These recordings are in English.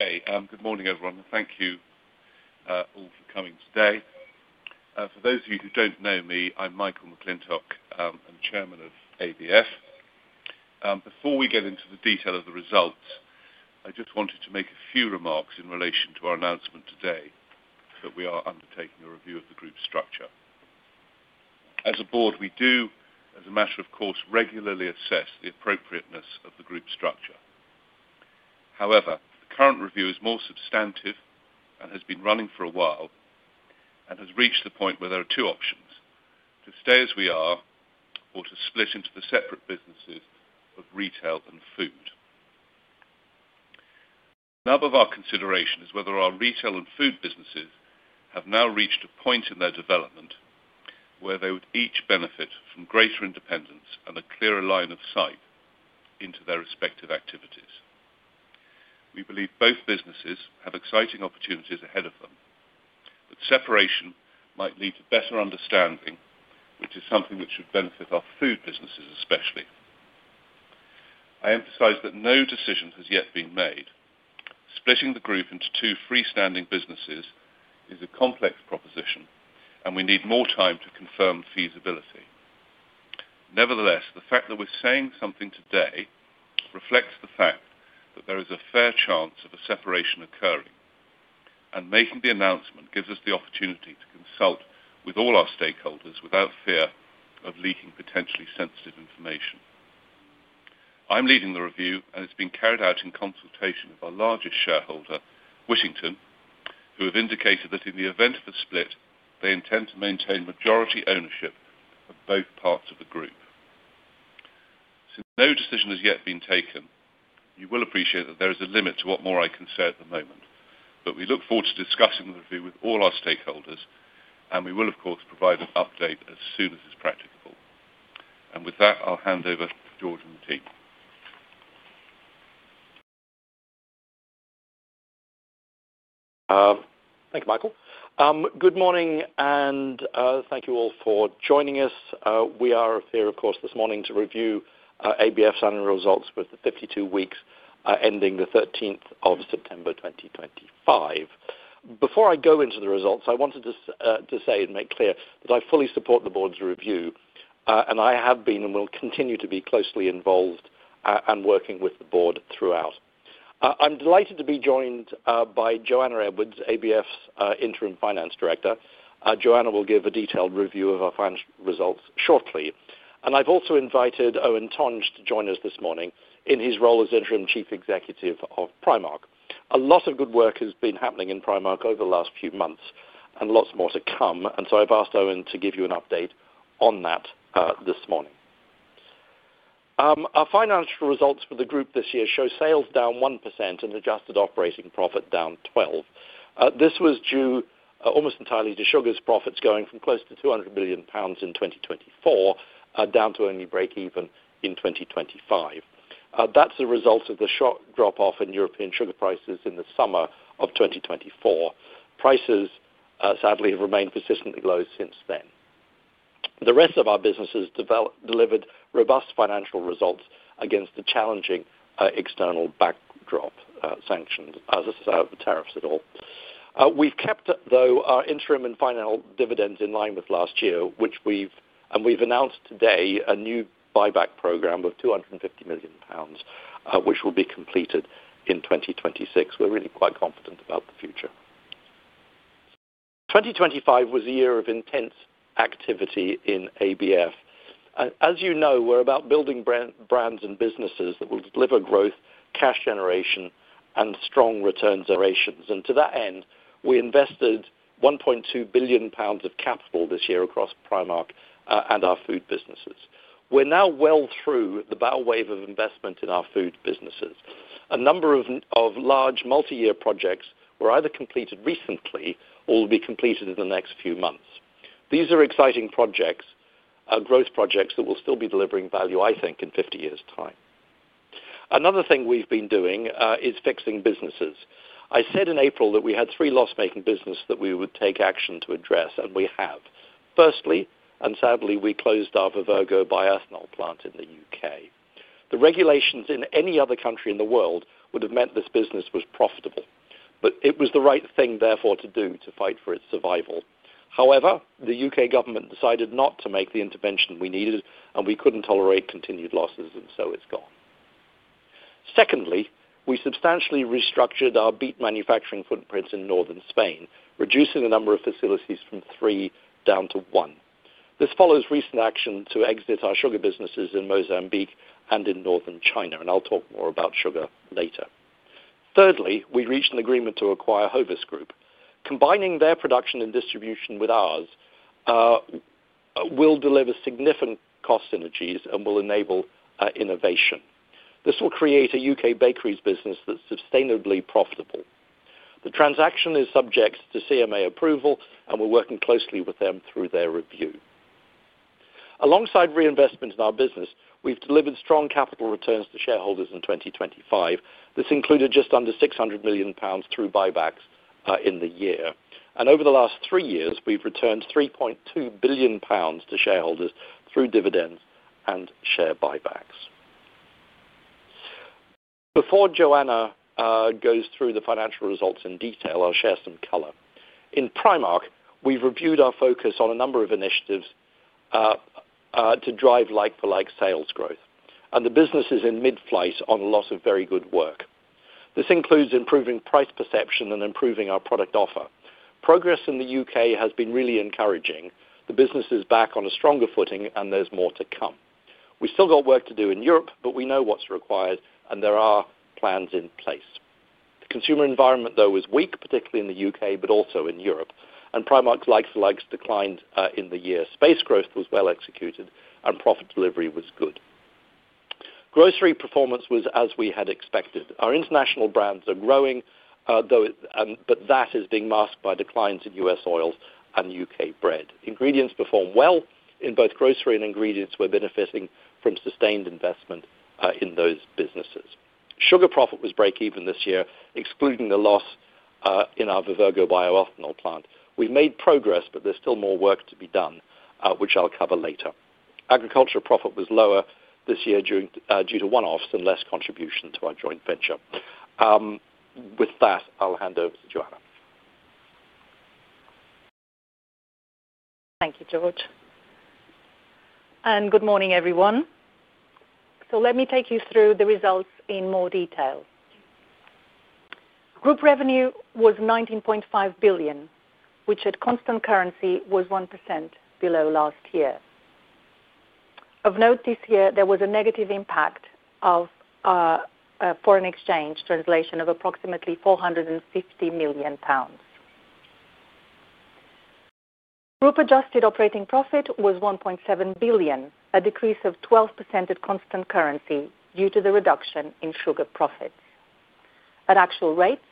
Okay, good morning, everyone. Thank you all for coming today. For those of you who don't know me, I'm Michael McLintock, and I'm Chairman of ABF. Before we get into the detail of the results, I just wanted to make a few remarks in relation to our announcement today that we are undertaking a review of the group structure. As a board, we do, as a matter of course, regularly assess the appropriateness of the group structure. However, the current review is more substantive and has been running for a while. It has reached the point where there are two options: to stay as we are or to split into the separate businesses of Retail and Food. Another of our considerations is whether our Retail and Food businesses have now reached a point in their development where they would each benefit from greater independence and a clearer line of sight into their respective activities. We believe both businesses have exciting opportunities ahead of them, but separation might lead to better understanding, which is something that should benefit our Food businesses especially. I emphasize that no decision has yet been made. Splitting the group into two reestanding businesses is a complex proposition, and we need more time to confirm feasibility. Nevertheless, the fact that we're saying something today reflects the fact that there is a fair chance of a separation occurring, and making the announcement gives us the opportunity to consult with all our stakeholders without fear of leaking potentially sensitive information. I'm leading the review, and it's been carried out in consultation with our largest shareholder, Wittington, who have indicated that in the event of a split, they intend to maintain majority ownership of both parts of the group. Since no decision has yet been taken, you will appreciate that there is a limit to what more I can say at the moment, but we look forward to discussing the review with all our stakeholders, and we will, of course, provide an update as soon as it's practicable. With that, I'll hand over to George and the team. Thank you, Michael. Good morning, and thank you all for joining us. We are here, of course, this morning to review ABF's annual results for the 52 weeks ending the 13th of September 2025. Before I go into the results, I wanted to say and make clear that I fully support the board's review, and I have been and will continue to be closely involved and working with the board throughout. I'm delighted to be joined by Joana Edwards, ABF's Interim Finance Director. Joana will give a detailed review of our financial results shortly. I have also invited Eoin Tonge to join us this morning in his role as Interim Chief Executive of Primark. A lot of good work has been happening in Primark over the last few months and lots more to come, and I have asked Eoin to give you an update on that this morning. Our financial results for the group this year show sales down 1% and adjusted operating profit down 12%. This was due almost entirely to Sugars profits going from close to 200 million pounds in 2024 down to only break-even in 2025. That is the result of the sharp drop-off in European sugar prices in the summer of 2024. Prices, sadly, have remained persistently low since then. The rest of our businesses delivered robust financial results against the challenging external backdrop, sanctions, as are tariffs at all. We have kept, though, our interim and final dividends in line with last year, which we have announced today a new buyback program of 250 million pounds, which will be completed in 2026. We are really quite confident about the future. 2025 was a year of intense activity in ABF. As you know, we are about building brands and businesses that will deliver growth, cash generation, and strong returns. To that end, we invested 1.2 billion pounds of capital this year across Primark and our Food businesses. We are now well through the bow wave of investment in our Food businesses. A number of large multi-year projects were either completed recently or will be completed in the next few months. These are exciting projects, growth projects that will still be delivering value, I think, in 50 years' time. Another thing we have been doing is fixing businesses. I said in April that we had three loss-making businesses that we would take action to address, and we have. Firstly, and sadly, we closed our Vivergo bioethanol plant in the U.K. The regulations in any other country in the world would have meant this business was profitable, but it was the right thing, therefore, to do to fight for its survival. However, the U.K. government decided not to make the intervention we needed, and we could not tolerate continued losses, and so it is gone. Secondly, we substantially restructured our beet manufacturing footprint in northern Spain, reducing the number of facilities from three down to one. This follows recent action to exit our Sugar businesses in Mozambique and in northern China, and I will talk more about Sugar later. Thirdly, we reached an agreement to acquire Hovis Group. Combining their production and distribution with ours will deliver significant cost synergies and will enable innovation. This will create a U.K. bakeries business that's sustainably profitable. The transaction is subject to CMA approval, and we're working closely with them through their review. Alongside reinvestment in our business, we've delivered strong capital returns to shareholders in 2025. This included just under 600 million pounds through buybacks in the year. Over the last three years, we've returned 3.2 billion pounds to shareholders through dividends and share buybacks. Before Joana goes through the financial results in detail, I'll share some color. In Primark, we've reviewed our focus on a number of initiatives to drive like-for-like sales growth, and the business is in mid-flight on a lot of very good work. This includes improving price perception and improving our product offer. Progress in the U.K. has been really encouraging. The business is back on a stronger footing, and there's more to come. We've still got work to do in Europe, but we know what's required, and there are plans in place. The consumer environment, though, is weak, particularly in the U.K., but also in Europe, and Primark's like-for-likes declined in the year. Space growth was well executed, and profit delivery was good. Grocery performance was as we had expected. Our international brands are growing, but that is being masked by declines in U.S. oils and U.K. bread. Ingredients perform well in both Grocery and Ingredients were benefiting from sustained investment in those businesses. Sugar profit was break-even this year, excluding the loss in our Vivergo bioethanol plant. We've made progress, but there's still more work to be done, which I'll cover later. Agriculture profit was lower this year due to one-offs and less contribution to our joint venture. With that, I'll hand over to Joana. Thank you, George. Good morning, everyone. Let me take you through the results in more detail. Group revenue was 19.5 billion, which at constant currency was 1% below last year. Of note, this year there was a negative impact of foreign exchange translation of approximately 450 million pounds. Group adjusted operating profit was 1.7 billion, a decrease of 12% at constant currency due to the reduction in Sugar profits. At actual rates,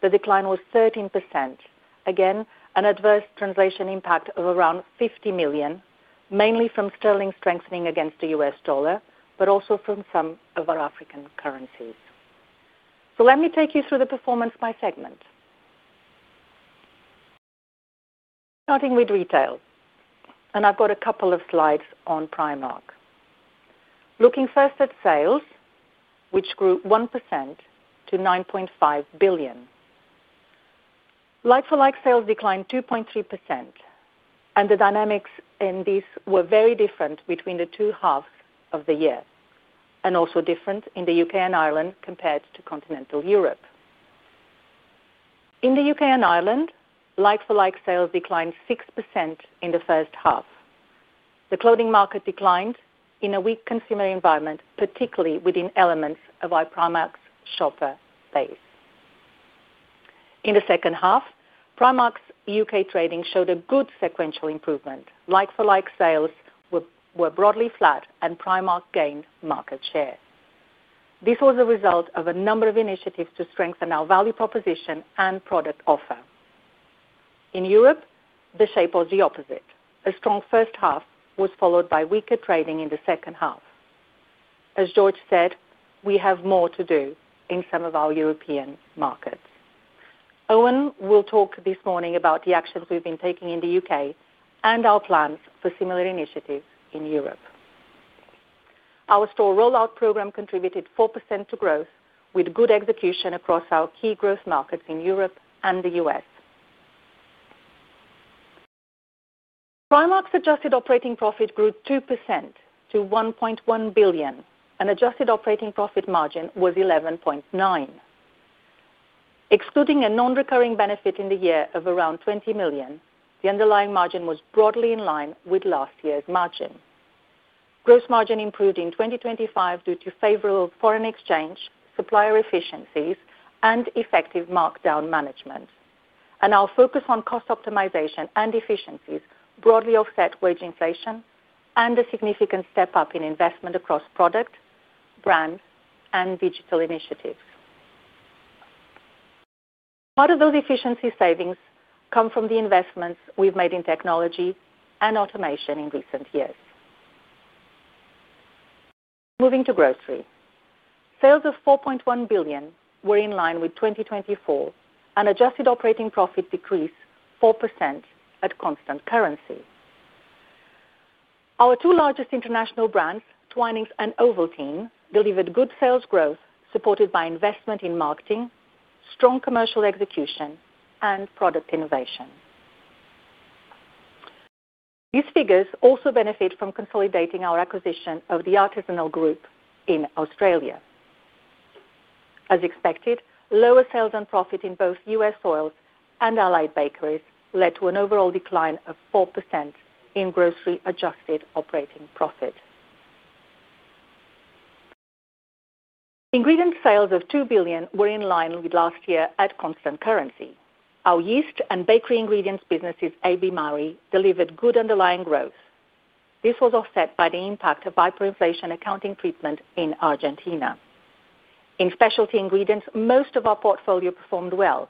the decline was 13%, again an adverse translation impact of around 50 million, mainly from sterling strengthening against the U.S. dollar, but also from some of our African currencies. Let me take you through the performance by segment. Starting with Retail, and I have a couple of slides on Primark. Looking first at sales, which grew 1% to 9.5 billion. Like-for-like sales declined 2.3%. The dynamics in these were very different between the two halves of the year, and also different in the U.K. and Ireland compared to continental Europe. In the U.K. and Ireland, like-for-like sales declined 6% in the first half. The clothing market declined in a weak consumer environment, particularly within elements of Primark's shopper base. In the second half, Primark's U.K. trading showed a good sequential improvement. Like-for-like sales were broadly flat, and Primark gained market share. This was a result of a number of initiatives to strengthen our value proposition and product offer. In Europe, the shape was the opposite. A strong first half was followed by weaker trading in the second half. As George said, we have more to do in some of our European markets. Eoin will talk this morning about the actions we have been taking in the U.K. and our plans for similar initiatives in Europe. Our store rollout program contributed 4% to growth, with good execution across our key growth markets in Europe and the U.S. Primark's adjusted operating profit grew 2% to 1.1 billion, and adjusted operating profit margin was 11.9%. Excluding a non-recurring benefit in the year of around 20 million, the underlying margin was broadly in line with last year's margin. Gross margin improved in 2025 due to favorable foreign exchange, supplier efficiencies, and effective markdown management. Our focus on cost optimization and efficiencies broadly offset wage inflation and a significant step up in investment across product, brand, and digital initiatives. Part of those efficiency savings come from the investments we have made in technology and automation in recent years. Moving to Grocery. Sales of 4.1 billion were in line with 2024 and adjusted operating profit decreased 4% at constant currency. Our two largest international brands, Twinings and Ovaltine, delivered good sales growth supported by investment in marketing, strong commercial execution, and product innovation. These figures also benefit from consolidating our acquisition of the artisanal group in Australia. As expected, lower sales and profit in both U.S. oils and Allied Bakeries led to an overall decline of 4% in Grocery adjusted operating profit. Ingredients sales of 2 billion were in line with last year at constant currency. Our Yeast and Bakery Ingredients businesses, AB Mauri, delivered good underlying growth. This was offset by the impact of hyperinflation accounting treatment in Argentina. In Specialty Ingredients, most of our portfolio performed well.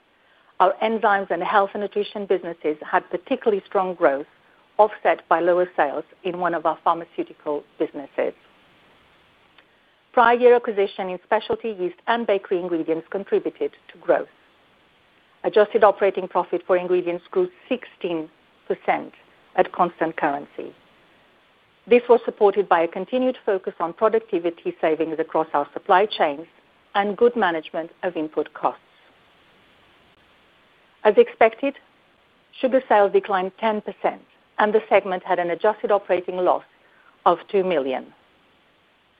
Our enzymes and health and nutrition businesses had particularly strong growth, offset by lower sales in one of our pharmaceutical businesses. Prior year acquisition in Specialty Yeast and Bakery Ingredients contributed to growth. Adjusted operating profit for Ingredients grew 16% at constant currency. This was supported by a continued focus on productivity savings across our supply chains and good management of input costs. As expected, Sugar sales declined 10%, and the segment had an adjusted operating loss of 2 million.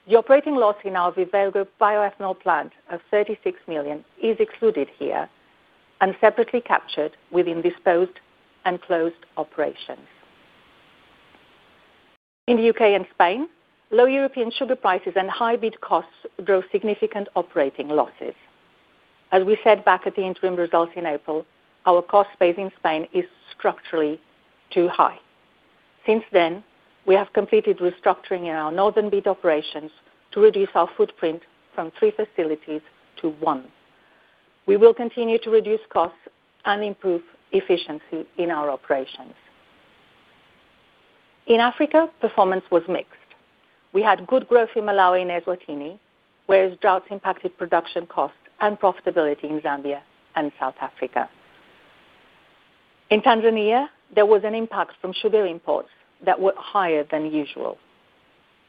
The operating loss in our Vivergo bioethanol plant of 36 million is excluded here and separately captured within disposed and closed operations. In the U.K. and Spain, low European sugar prices and high bid costs drove significant operating losses. As we said back at the interim results in April, our cost base in Spain is structurally too high. Since then, we have completed restructuring in our northern bid operations to reduce our footprint from three facilities to one. We will continue to reduce costs and improve efficiency in our operations. In Africa, performance was mixed. We had good growth in Malawi and Eswatini, whereas droughts impacted production costs and profitability in Zambia and South Africa. In Tanzania, there was an impact from sugar imports that were higher than usual.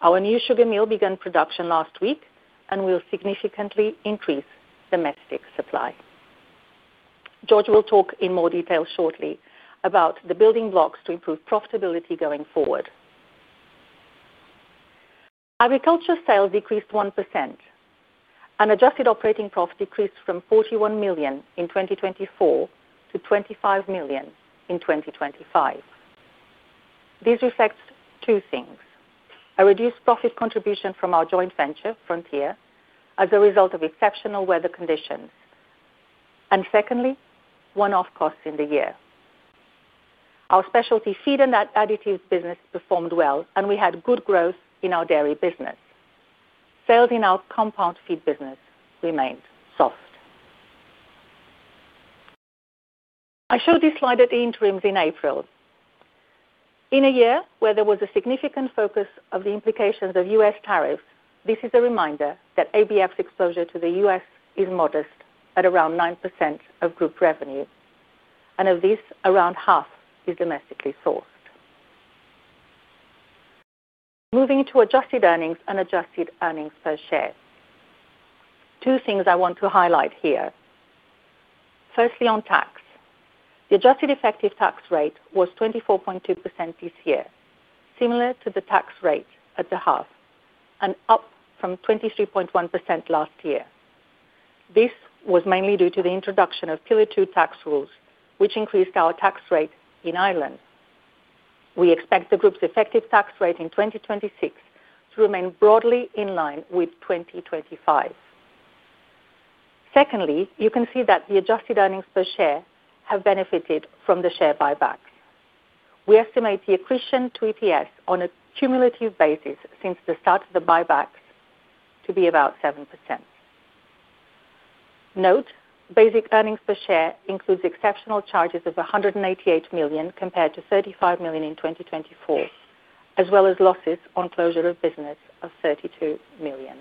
Our new sugar mill began production last week and will significantly increase domestic supply. George will talk in more detail shortly about the building blocks to improve profitability going forward. Agriculture sales decreased 1%. Adjusted operating profit decreased from 41 million in 2024 to 25 million in 2025. This reflects two things: a reduced profit contribution from our joint venture, Frontier, as a result of exceptional weather conditions, and secondly, one-off costs in the year. Our Specialty Feed and Additives business performed well, and we had good growth in our dairy business. Sales in our compound feed business remained soft. I showed this slide at the interims in April. In a year where there was a significant focus of the implications of U.S. tariffs, this is a reminder that ABF's exposure to the U.S. is modest, at around 9% of group revenue, and of this, around half is domestically sourced. Moving to adjusted earnings and adjusted earnings per share. Two things I want to highlight here. Firstly, on tax. The adjusted effective tax rate was 24.2% this year, similar to the tax rate at the half, and up from 23.1% last year. This was mainly due to the introduction of Pillar Two tax rules, which increased our tax rate in Ireland. We expect the group's effective tax rate in 2026 to remain broadly in line with 2025. Secondly, you can see that the adjusted earnings per share have benefited from the share buybacks. We estimate the accretion to EPS on a cumulative basis since the start of the buybacks to be about 7%. Note, basic earnings per share includes exceptional charges of 188 million compared to 35 million in 2024, as well as losses on closure of business of 32 million.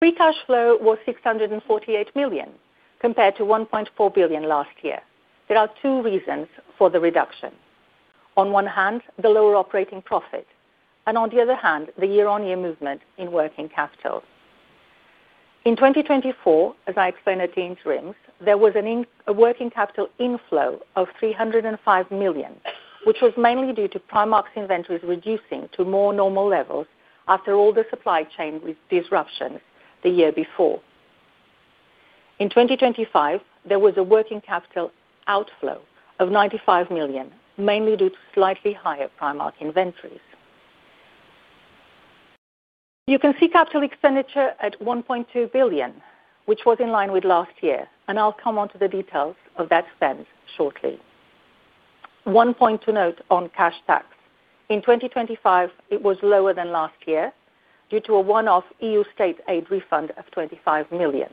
Free cash flow was 648 million compared to 1.4 billion last year. There are two reasons for the reduction. On one hand, the lower operating profit, and on the other hand, the year-on-year movement in working capital. In 2024, as I explained at the interims, there was a working capital inflow of 305 million, which was mainly due to Primark's inventories reducing to more normal levels after all the supply chain disruptions the year before. In 2025, there was a working capital outflow of 95 million, mainly due to slightly higher Primark inventories. You can see capital expenditure at 1.2 billion, which was in line with last year, and I'll come on to the details of that spend shortly. One point to note on cash tax. In 2025, it was lower than last year due to a one-off EU state aid refund of 25 million.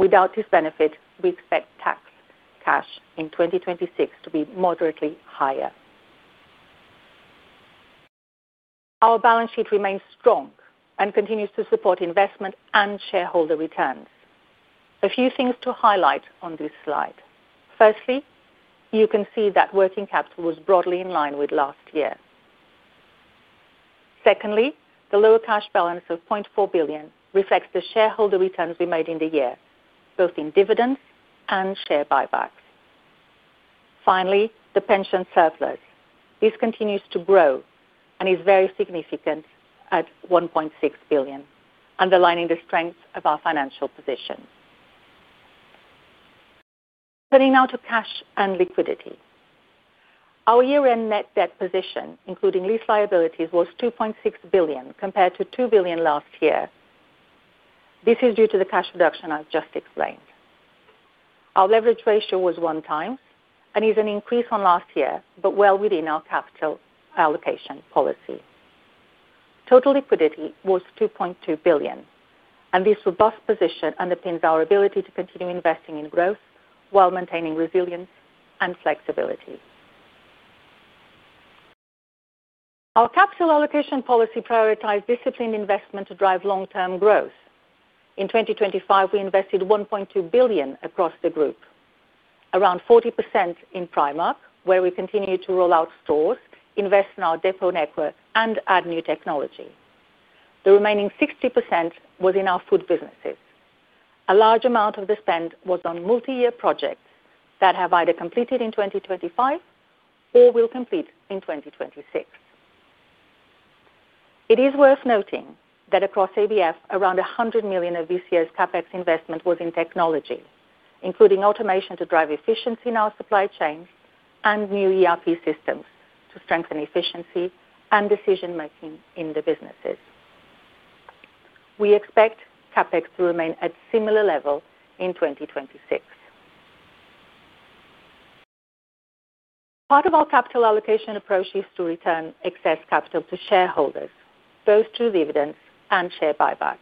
Without this benefit, we expect tax cash in 2026 to be moderately higher. Our balance sheet remains strong and continues to support investment and shareholder returns. A few things to highlight on this slide. Firstly, you can see that working capital was broadly in line with last year. Secondly, the lower cash balance of 0.4 billion reflects the shareholder returns we made in the year, both in dividends and share buybacks. Finally, the pension surplus. This continues to grow and is very significant at 1.6 billion, underlining the strength of our financial position. Turning now to cash and liquidity. Our year-end net debt position, including lease liabilities, was 2.6 billion compared to 2 billion last year. This is due to the cash reduction I've just explained. Our leverage ratio was one times and is an increase on last year, but well within our capital allocation policy. Total liquidity was 2.2 billion, and this robust position underpins our ability to continue investing in growth while maintaining resilience and flexibility. Our capital allocation policy prioritized disciplined investment to drive long-term growth. In 2025, we invested 1.2 billion across the group. Around 40% in Primark, where we continue to roll out stores, invest in our depot network, and add new technology. The remaining 60% was in our Food businesses. A large amount of the spend was on multi-year projects that have either completed in 2025 or will complete in 2026. It is worth noting that across ABF, around 100 million of this year's CapEx investment was in technology, including automation to drive efficiency in our supply chains and new ERP systems to strengthen efficiency and decision-making in the businesses. We expect CapEx to remain at a similar level in 2026. Part of our capital allocation approach is to return excess capital to shareholders, both through dividends and share buybacks.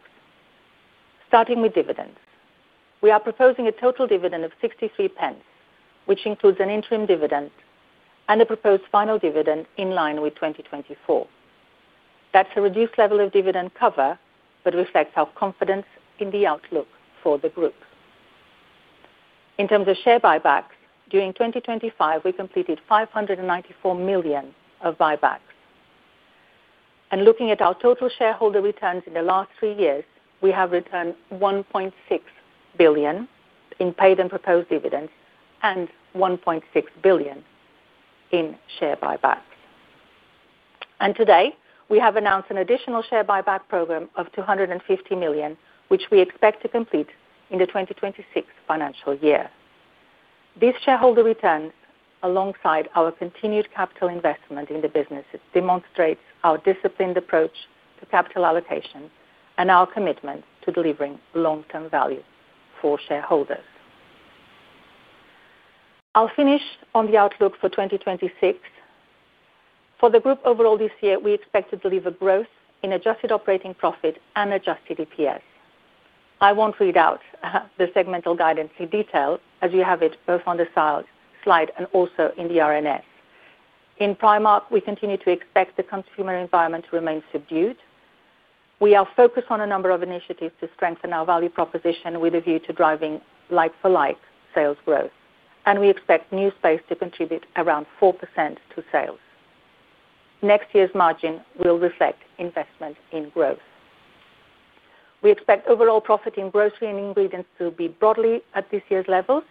Starting with dividends, we are proposing a total dividend of 0.63, which includes an interim dividend and a proposed final dividend in line with 2024. That is a reduced level of dividend cover but reflects our confidence in the outlook for the group. In terms of share buybacks, during 2025, we completed 594 million of buybacks. Looking at our total shareholder returns in the last three years, we have returned 1.6 billion in paid and proposed dividends and 1.6 billion in share buybacks. Today, we have announced an additional share buyback program of 250 million, which we expect to complete in the 2026 financial year. These shareholder returns, alongside our continued capital investment in the businesses, demonstrate our disciplined approach to capital allocation and our commitment to delivering long-term value for shareholders. I'll finish on the outlook for 2026. For the group overall this year, we expect to deliver growth in adjusted operating profit and adjusted EPS. I will not read out the segmental guidance in detail, as you have it both on the slide and also in the R&S. In Primark, we continue to expect the consumer environment to remain subdued. We are focused on a number of initiatives to strengthen our value proposition with a view to driving like-for-like sales growth, and we expect new space to contribute around 4% to sales. Next year's margin will reflect investment in growth. We expect overall profit in Grocery and Ingredients to be broadly at this year's levels.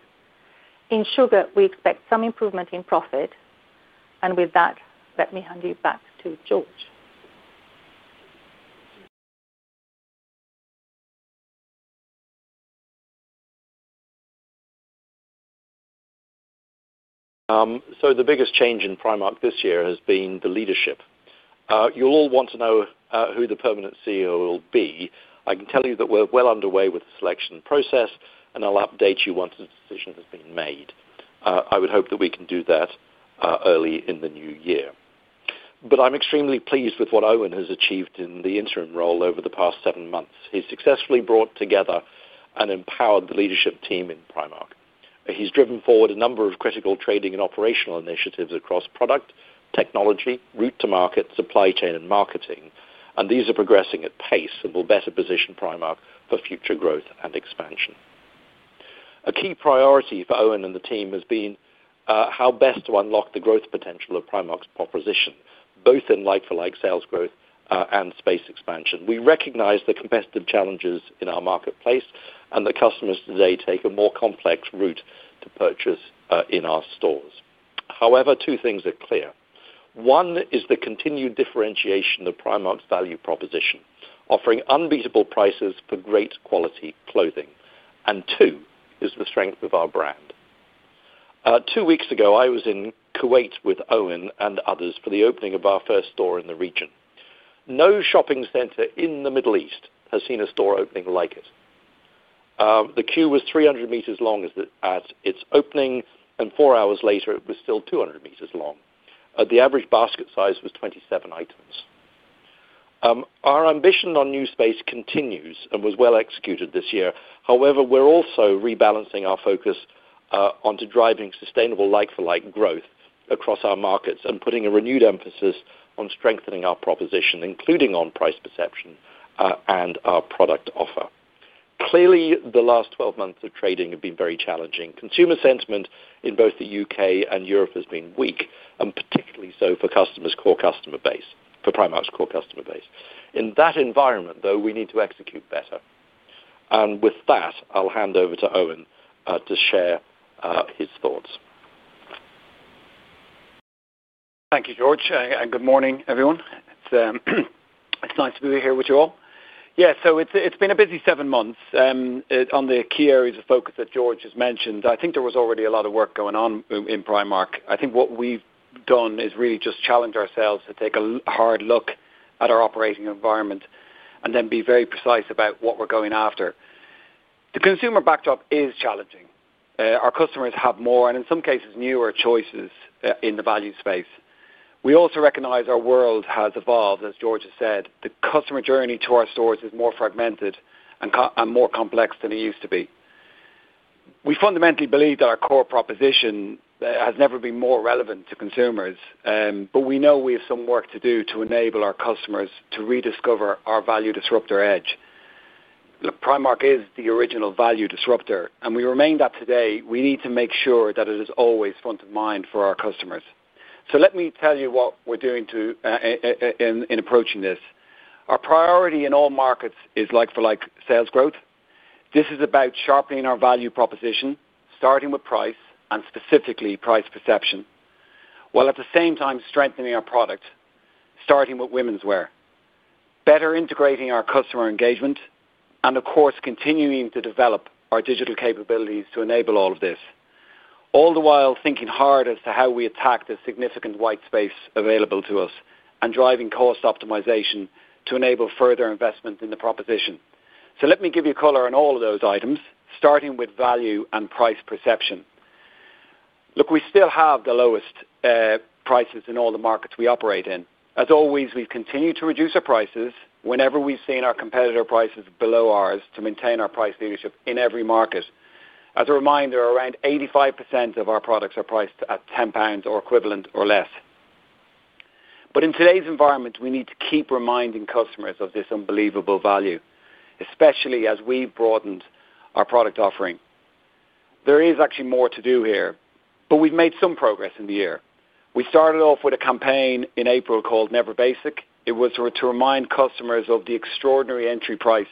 In Sugar, we expect some improvement in profit. With that, let me hand you back to George. The biggest change in Primark this year has been the leadership. You will all want to know who the permanent CEO will be. I can tell you that we are well underway with the selection process, and I will update you once the decision has been made. I would hope that we can do that early in the new year. I am extremely pleased with what Eoin has achieved in the interim role over the past seven months. He has successfully brought together and empowered the leadership team in Primark. He has driven forward a number of critical trading and operational initiatives across product, technology, route to market, supply chain, and marketing. These are progressing at pace and will better position Primark for future growth and expansion. A key priority for Eoin and the team has been how best to unlock the growth potential of Primark's proposition, both in like-for-like sales growth and space expansion. We recognize the competitive challenges in our marketplace and that customers today take a more complex route to purchase in our stores. However, two things are clear. One is the continued differentiation of Primark's value proposition, offering unbeatable prices for great quality clothing. Two is the strength of our brand. Two weeks ago, I was in Kuwait with Eoin and others for the opening of our first store in the region. No shopping center in the Middle East has seen a store opening like it. The queue was 300 m long at its opening, and four hours later, it was still 200 m long. The average basket size was 27 items. Our ambition on new space continues and was well executed this year. However, we're also rebalancing our focus onto driving sustainable like-for-like growth across our markets and putting a renewed emphasis on strengthening our proposition, including on price perception and our product offer. Clearly, the last 12 months of trading have been very challenging. Consumer sentiment in both the U.K. and Europe has been weak, and particularly so for Primark's core customer base. In that environment, though, we need to execute better. With that, I'll hand over to Eoin to share his thoughts. Thank you, George. Good morning, everyone. It's nice to be here with you all. Yeah, so it's been a busy seven months. On the key areas of focus that George has mentioned, I think there was already a lot of work going on in Primark. I think what we've done is really just challenge ourselves to take a hard look at our operating environment and then be very precise about what we're going after. The consumer backdrop is challenging. Our customers have more, and in some cases, newer choices in the value space. We also recognize our world has evolved, as George has said. The customer journey to our stores is more fragmented and more complex than it used to be. We fundamentally believe that our core proposition has never been more relevant to consumers, but we know we have some work to do to enable our customers to rediscover our value disruptor edge. Primark is the original value disruptor, and we remain that today. We need to make sure that it is always front of mind for our customers. Let me tell you what we're doing. In approaching this, our priority in all markets is like-for-like sales growth. This is about sharpening our value proposition, starting with price and specifically price perception, while at the same time strengthening our product, starting with women's wear, better integrating our customer engagement, and of course, continuing to develop our digital capabilities to enable all of this, all the while thinking hard as to how we attack the significant white space available to us and driving cost optimization to enable further investment in the proposition. Let me give you a color on all of those items, starting with value and price perception. Look, we still have the lowest prices in all the markets we operate in. As always, we've continued to reduce our prices whenever we've seen our competitor prices below ours to maintain our price leadership in every market. As a reminder, around 85% of our products are priced at 10 pounds or equivalent or less. In today's environment, we need to keep reminding customers of this unbelievable value, especially as we've broadened our product offering. There is actually more to do here, but we've made some progress in the year. We started off with a campaign in April called Never Basic. It was to remind customers of the extraordinary entry prices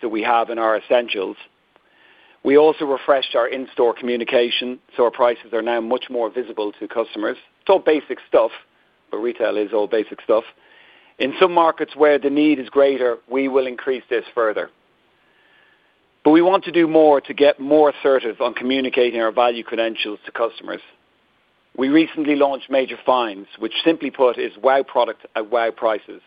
that we have in our essentials. We also refreshed our in-store communication, so our prices are now much more visible to customers. It's all basic stuff, but Retail is all basic stuff. In some markets where the need is greater, we will increase this further. We want to do more to get more assertive on communicating our value credentials to customers. We recently launched Major Find, which simply put is [Wow] product at [Wow] prices.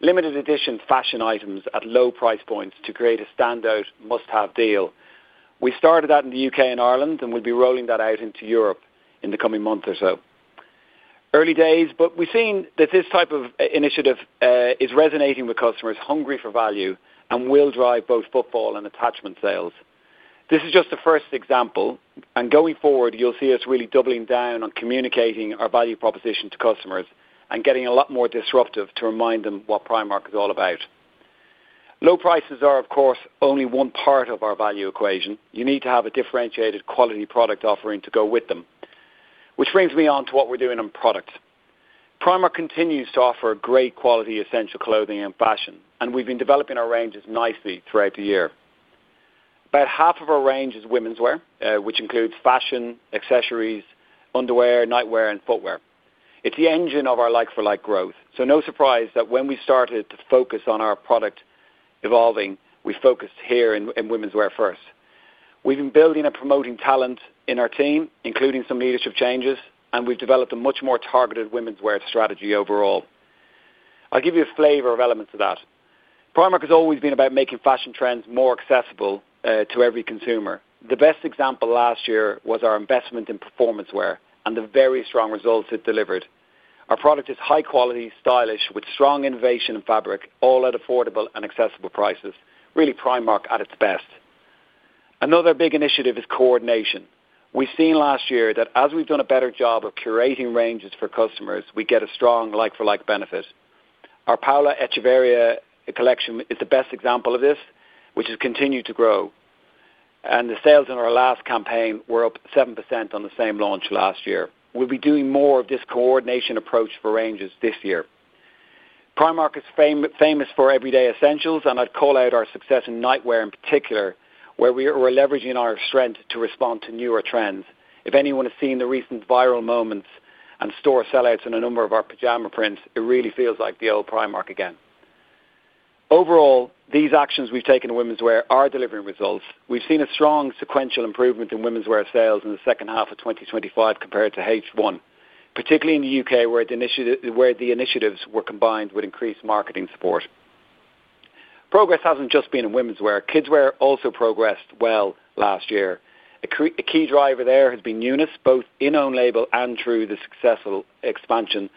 Limited edition fashion items at low price points to create a standout must-have deal. We started that in the U.K. and Ireland, and we'll be rolling that out into Europe in the coming month or so. Early days, but we've seen that this type of initiative is resonating with customers hungry for value and will drive both footfall and attachment sales. This is just the first example, and going forward, you'll see us really doubling down on communicating our value proposition to customers and getting a lot more disruptive to remind them what Primark is all about. Low prices are, of course, only one part of our value equation. You need to have a differentiated quality product offering to go with them, which brings me on to what we're doing on products. Primark continues to offer great quality essential clothing and fashion, and we've been developing our ranges nicely throughout the year. About half of our range is women's wear, which includes fashion, accessories, underwear, nightwear, and footwear. It's the engine of our like-for-like growth. No surprise that when we started to focus on our product evolving, we focused here in women's wear first. We've been building and promoting talent in our team, including some leadership changes, and we've developed a much more targeted women's wear strategy overall. I'll give you a flavor of elements of that. Primark has always been about making fashion trends more accessible to every consumer. The best example last year was our investment in performance wear and the very strong results it delivered. Our product is high quality, stylish, with strong innovation and fabric, all at affordable and accessible prices, really Primark at its best. Another big initiative is coordination. We've seen last year that as we've done a better job of curating ranges for customers, we get a strong like-for-like benefit. Our Paula Echevarría collection is the best example of this, which has continued to grow. The sales in our last campaign were up 7% on the same launch last year. We'll be doing more of this coordination approach for ranges this year. Primark is famous for everyday essentials, and I'd call out our success in nightwear in particular, where we're leveraging our strength to respond to newer trends. If anyone has seen the recent viral moments and store sellouts in a number of our pajama prints, it really feels like the old Primark again. Overall, these actions we've taken in women's wear are delivering results. We've seen a strong sequential improvement in women's wear sales in the second half of 2025 compared to H1, particularly in the U.K., where the initiatives were combined with increased marketing support. Progress hasn't just been in women's wear. Kidswear also progressed well last year. A key driver there has been Eunice, both in own label and through the successful expansion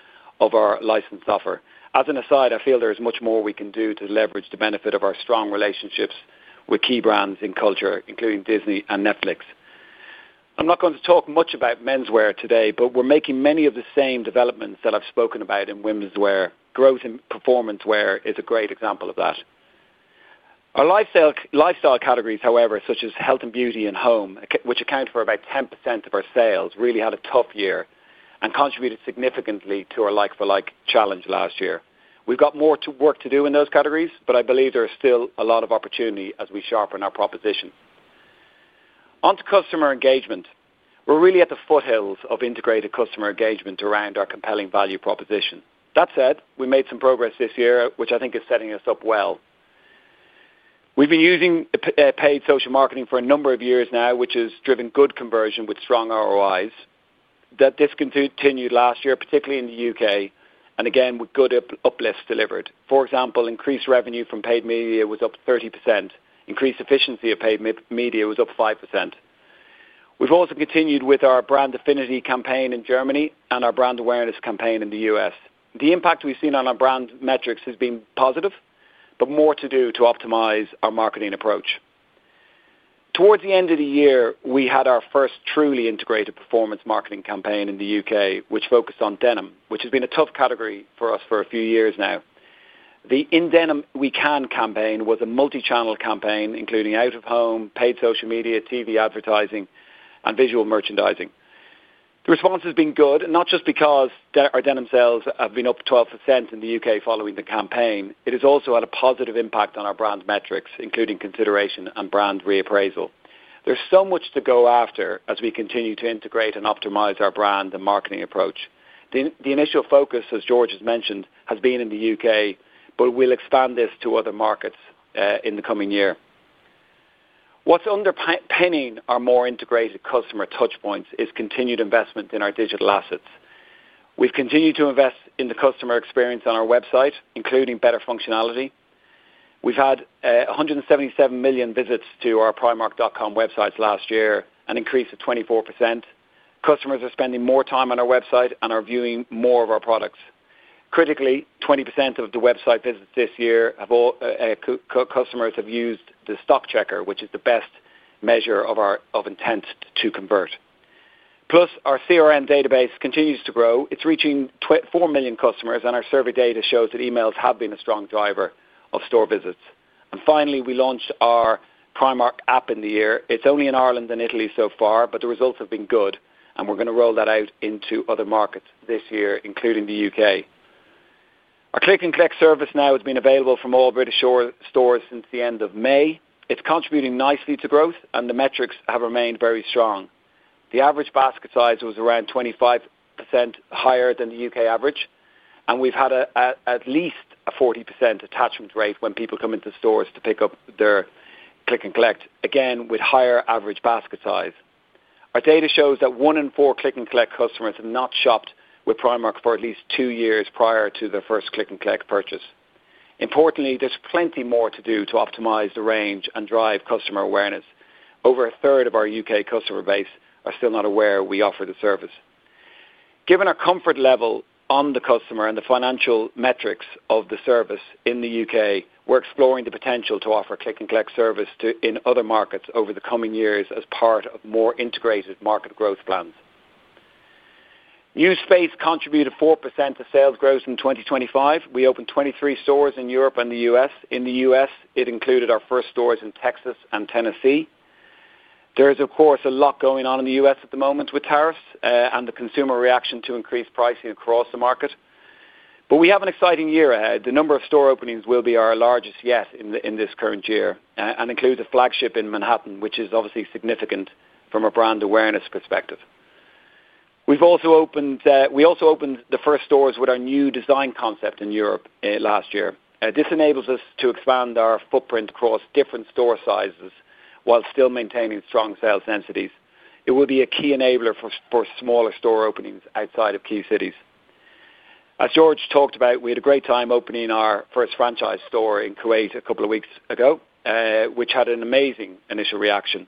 of our licensed offer. As an aside, I feel there is much more we can do to leverage the benefit of our strong relationships with key brands in culture, including Disney and Netflix. I'm not going to talk much about men's wear today, but we're making many of the same developments that I've spoken about in women's wear. Growth in performance wear is a great example of that. Our lifestyle categories, however, such as health and beauty and home, which account for about 10% of our sales, really had a tough year and contributed significantly to our like-for-like challenge last year. We've got more work to do in those categories, but I believe there is still a lot of opportunity as we sharpen our proposition. Onto customer engagement. We're really at the foothills of integrated customer engagement around our compelling value proposition. That said, we made some progress this year, which I think is setting us up well. We've been using paid social marketing for a number of years now, which has driven good conversion with strong ROIs. That discontinued last year, particularly in the U.K., and again, with good uplifts delivered. For example, increased revenue from paid media was up 30%. Increased efficiency of paid media was up 5%. We've also continued with our brand affinity campaign in Germany and our brand awareness campaign in the U.S. The impact we've seen on our brand metrics has been positive, but more to do to optimize our marketing approach. Towards the end of the year, we had our first truly integrated performance marketing campaign in the U.K., which focused on denim, which has been a tough category for us for a few years now. The In Denim We Can campaign was a multi-channel campaign, including out of home, paid social media, TV advertising, and visual merchandising. The response has been good, not just because our denim sales have been up 12% in the U.K. following the campaign. It has also had a positive impact on our brand metrics, including consideration and brand reappraisal. There's so much to go after as we continue to integrate and optimize our brand and marketing approach. The initial focus, as George has mentioned, has been in the U.K., but we'll expand this to other markets in the coming year. What's underpinning our more integrated customer touchpoints is continued investment in our digital assets. We've continued to invest in the customer experience on our website, including better functionality. We've had 177 million visits to our primark.com websites last year and increased to 24%. Customers are spending more time on our website and are viewing more of our products. Critically, 20% of the website visits this year. Customers have used the stock checker, which is the best measure of intent to convert. Plus, our CRM database continues to grow. It's reaching 4 million customers, and our survey data shows that emails have been a strong driver of store visits. Finally, we launched our Primark app in the year. It's only in Ireland and Italy so far, but the results have been good, and we're going to roll that out into other markets this year, including the U.K. Our Click & Collect service now has been available from all British shore stores since the end of May. It's contributing nicely to growth, and the metrics have remained very strong. The average basket size was around 25% higher than the U.K. average, and we've had at least a 40% attachment rate when people come into stores to pick up their Click & Collect, again with higher average basket size. Our data shows that one in four Click & Collect customers have not shopped with Primark for at least two years prior to their first Click & Collect purchase. Importantly, there's plenty more to do to optimize the range and drive customer awareness. Over 1/3 of our U.K. customer base are still not aware we offer the service. Given our comfort level on the customer and the financial metrics of the service in the U.K., we're exploring the potential to offer Cliick & Collect service in other markets over the coming years as part of more integrated market growth plans. New space contributed 4% to sales growth in 2025. We opened 23 stores in Europe and the U.S. In the U.S., it included our first stores in Texas and Tennessee. There is, of course, a lot going on in the U.S. at the moment with tariffs and the consumer reaction to increased pricing across the market. We have an exciting year ahead. The number of store openings will be our largest yet in this current year and includes a flagship in Manhattan, which is obviously significant from a brand awareness perspective. We've also opened the first stores with our new design concept in Europe last year. This enables us to expand our footprint across different store sizes while still maintaining strong sales entities. It will be a key enabler for smaller store openings outside of key cities. As George talked about, we had a great time opening our first franchise store in Kuwait a couple of weeks ago, which had an amazing initial reaction.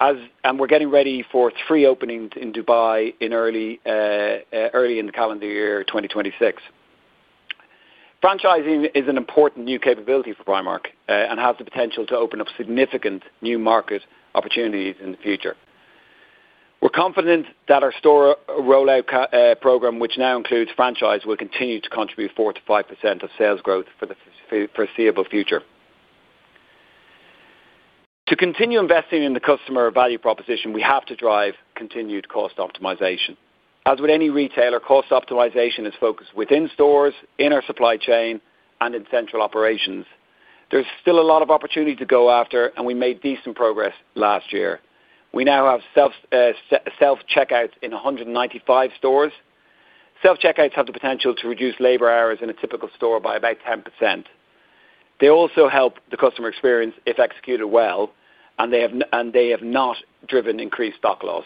We are getting ready for three openings in Dubai early in the calendar year 2026. Franchising is an important new capability for Primark and has the potential to open up significant new market opportunities in the future. We are confident that our store rollout program, which now includes franchise, will continue to contribute 4%-5% of sales growth for the foreseeable future. To continue investing in the customer value proposition, we have to drive continued cost optimization. As with any retailer, cost optimization is focused within stores, in our supply chain, and in central operations. There is still a lot of opportunity to go after, and we made decent progress last year. We now have self-checkouts in 195 stores. Self-checkouts have the potential to reduce labor hours in a typical store by about 10%. They also help the customer experience if executed well, and they have not driven increased stock loss.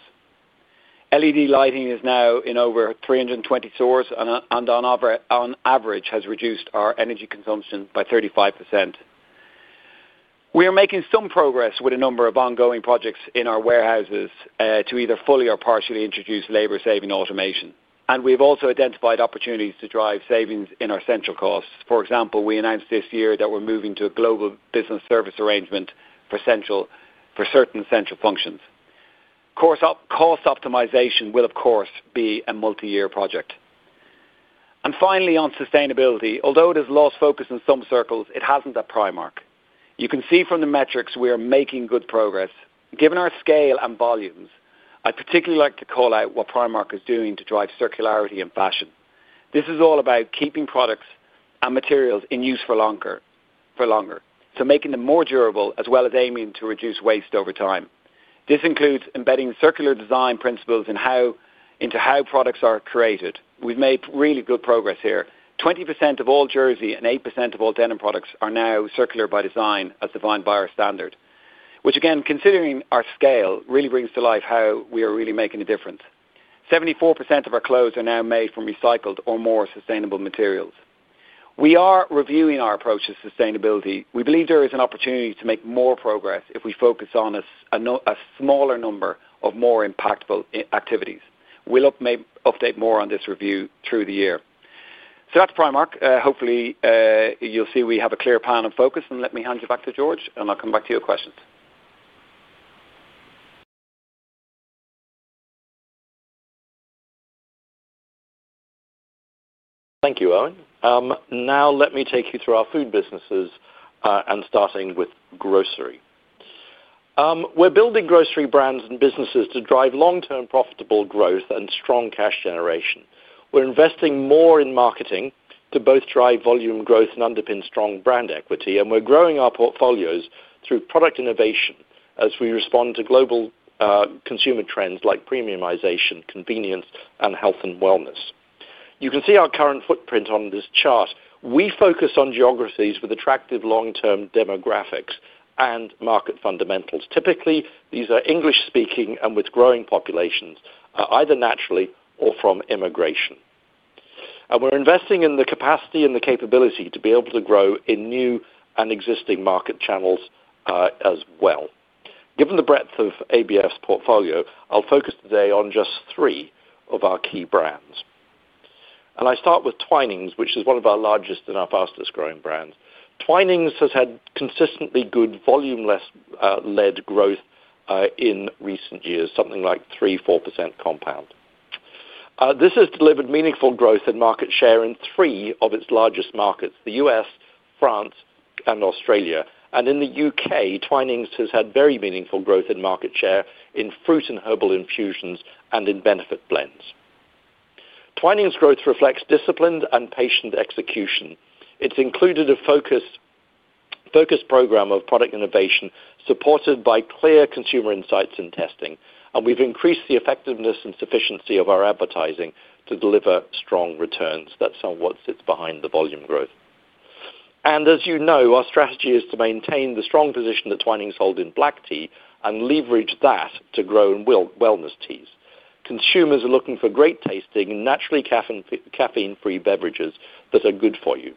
LED lighting is now in over 320 stores and, on average, has reduced our energy consumption by 35%. We are making some progress with a number of ongoing projects in our warehouses to either fully or partially introduce labor-saving automation. We have also identified opportunities to drive savings in our central costs. For example, we announced this year that we are moving to a global business service arrangement for certain central functions. Cost optimization will, of course, be a multi-year project. Finally, on sustainability, although it has lost focus in some circles, it has not at Primark. You can see from the metrics we are making good progress. Given our scale and volumes, I would particularly like to call out what Primark is doing to drive circularity in fashion. This is all about keeping products and materials in use for longer, making them more durable, as well as aiming to reduce waste over time. This includes embedding circular design principles into how products are created. We have made really good progress here. 20% of all jerseys and 8% of all denim products are now circular by design, as defined by our standard. Which, again, considering our scale, really brings to life how we are really making a difference. 74% of our clothes are now made from recycled or more sustainable materials. We are reviewing our approach to sustainability. We believe there is an opportunity to make more progress if we focus on a smaller number of more impactful activities. We will update more on this review through the year. That is Primark. Hopefully, you will see we have a clear plan and focus. Let me hand you back to George, and I will come back to your questions. Thank you, Eoin. Now, let me take you through our Food businesses and starting with Grocery. We are building Grocery brands and businesses to drive long-term profitable growth and strong cash generation. We are investing more in marketing to both drive volume growth and underpin strong brand equity. We are growing our portfolios through product innovation as we respond to global consumer trends like premiumization, convenience, and health and wellness. You can see our current footprint on this chart. We focus on geographies with attractive long-term demographics and market fundamentals. Typically, these are English-speaking and with growing populations, either naturally or from immigration. We are investing in the capacity and the capability to be able to grow in new and existing market channels as well. Given the breadth of ABF's portfolio, I will focus today on just three of our key brands. I start with Twinings, which is one of our largest and our fastest-growing brands. Twinings has had consistently good volume-led growth in recent years, something like 3%-4% compound. This has delivered meaningful growth in market share in three of its largest markets: the U.S., France, and Australia. In the U.K., Twinings has had very meaningful growth in market share in fruit and herbal infusions and in benefit blends. Twinings' growth reflects disciplined and patient execution. It has included a focused program of product innovation supported by clear consumer insights and testing. We have increased the effectiveness and sufficiency of our advertising to deliver strong returns. That is what sits behind the volume growth. As you know, our strategy is to maintain the strong position that Twinings holds in black tea and leverage that to grow wellness teas. Consumers are looking for great tasting and naturally caffeine-free beverages that are good for you.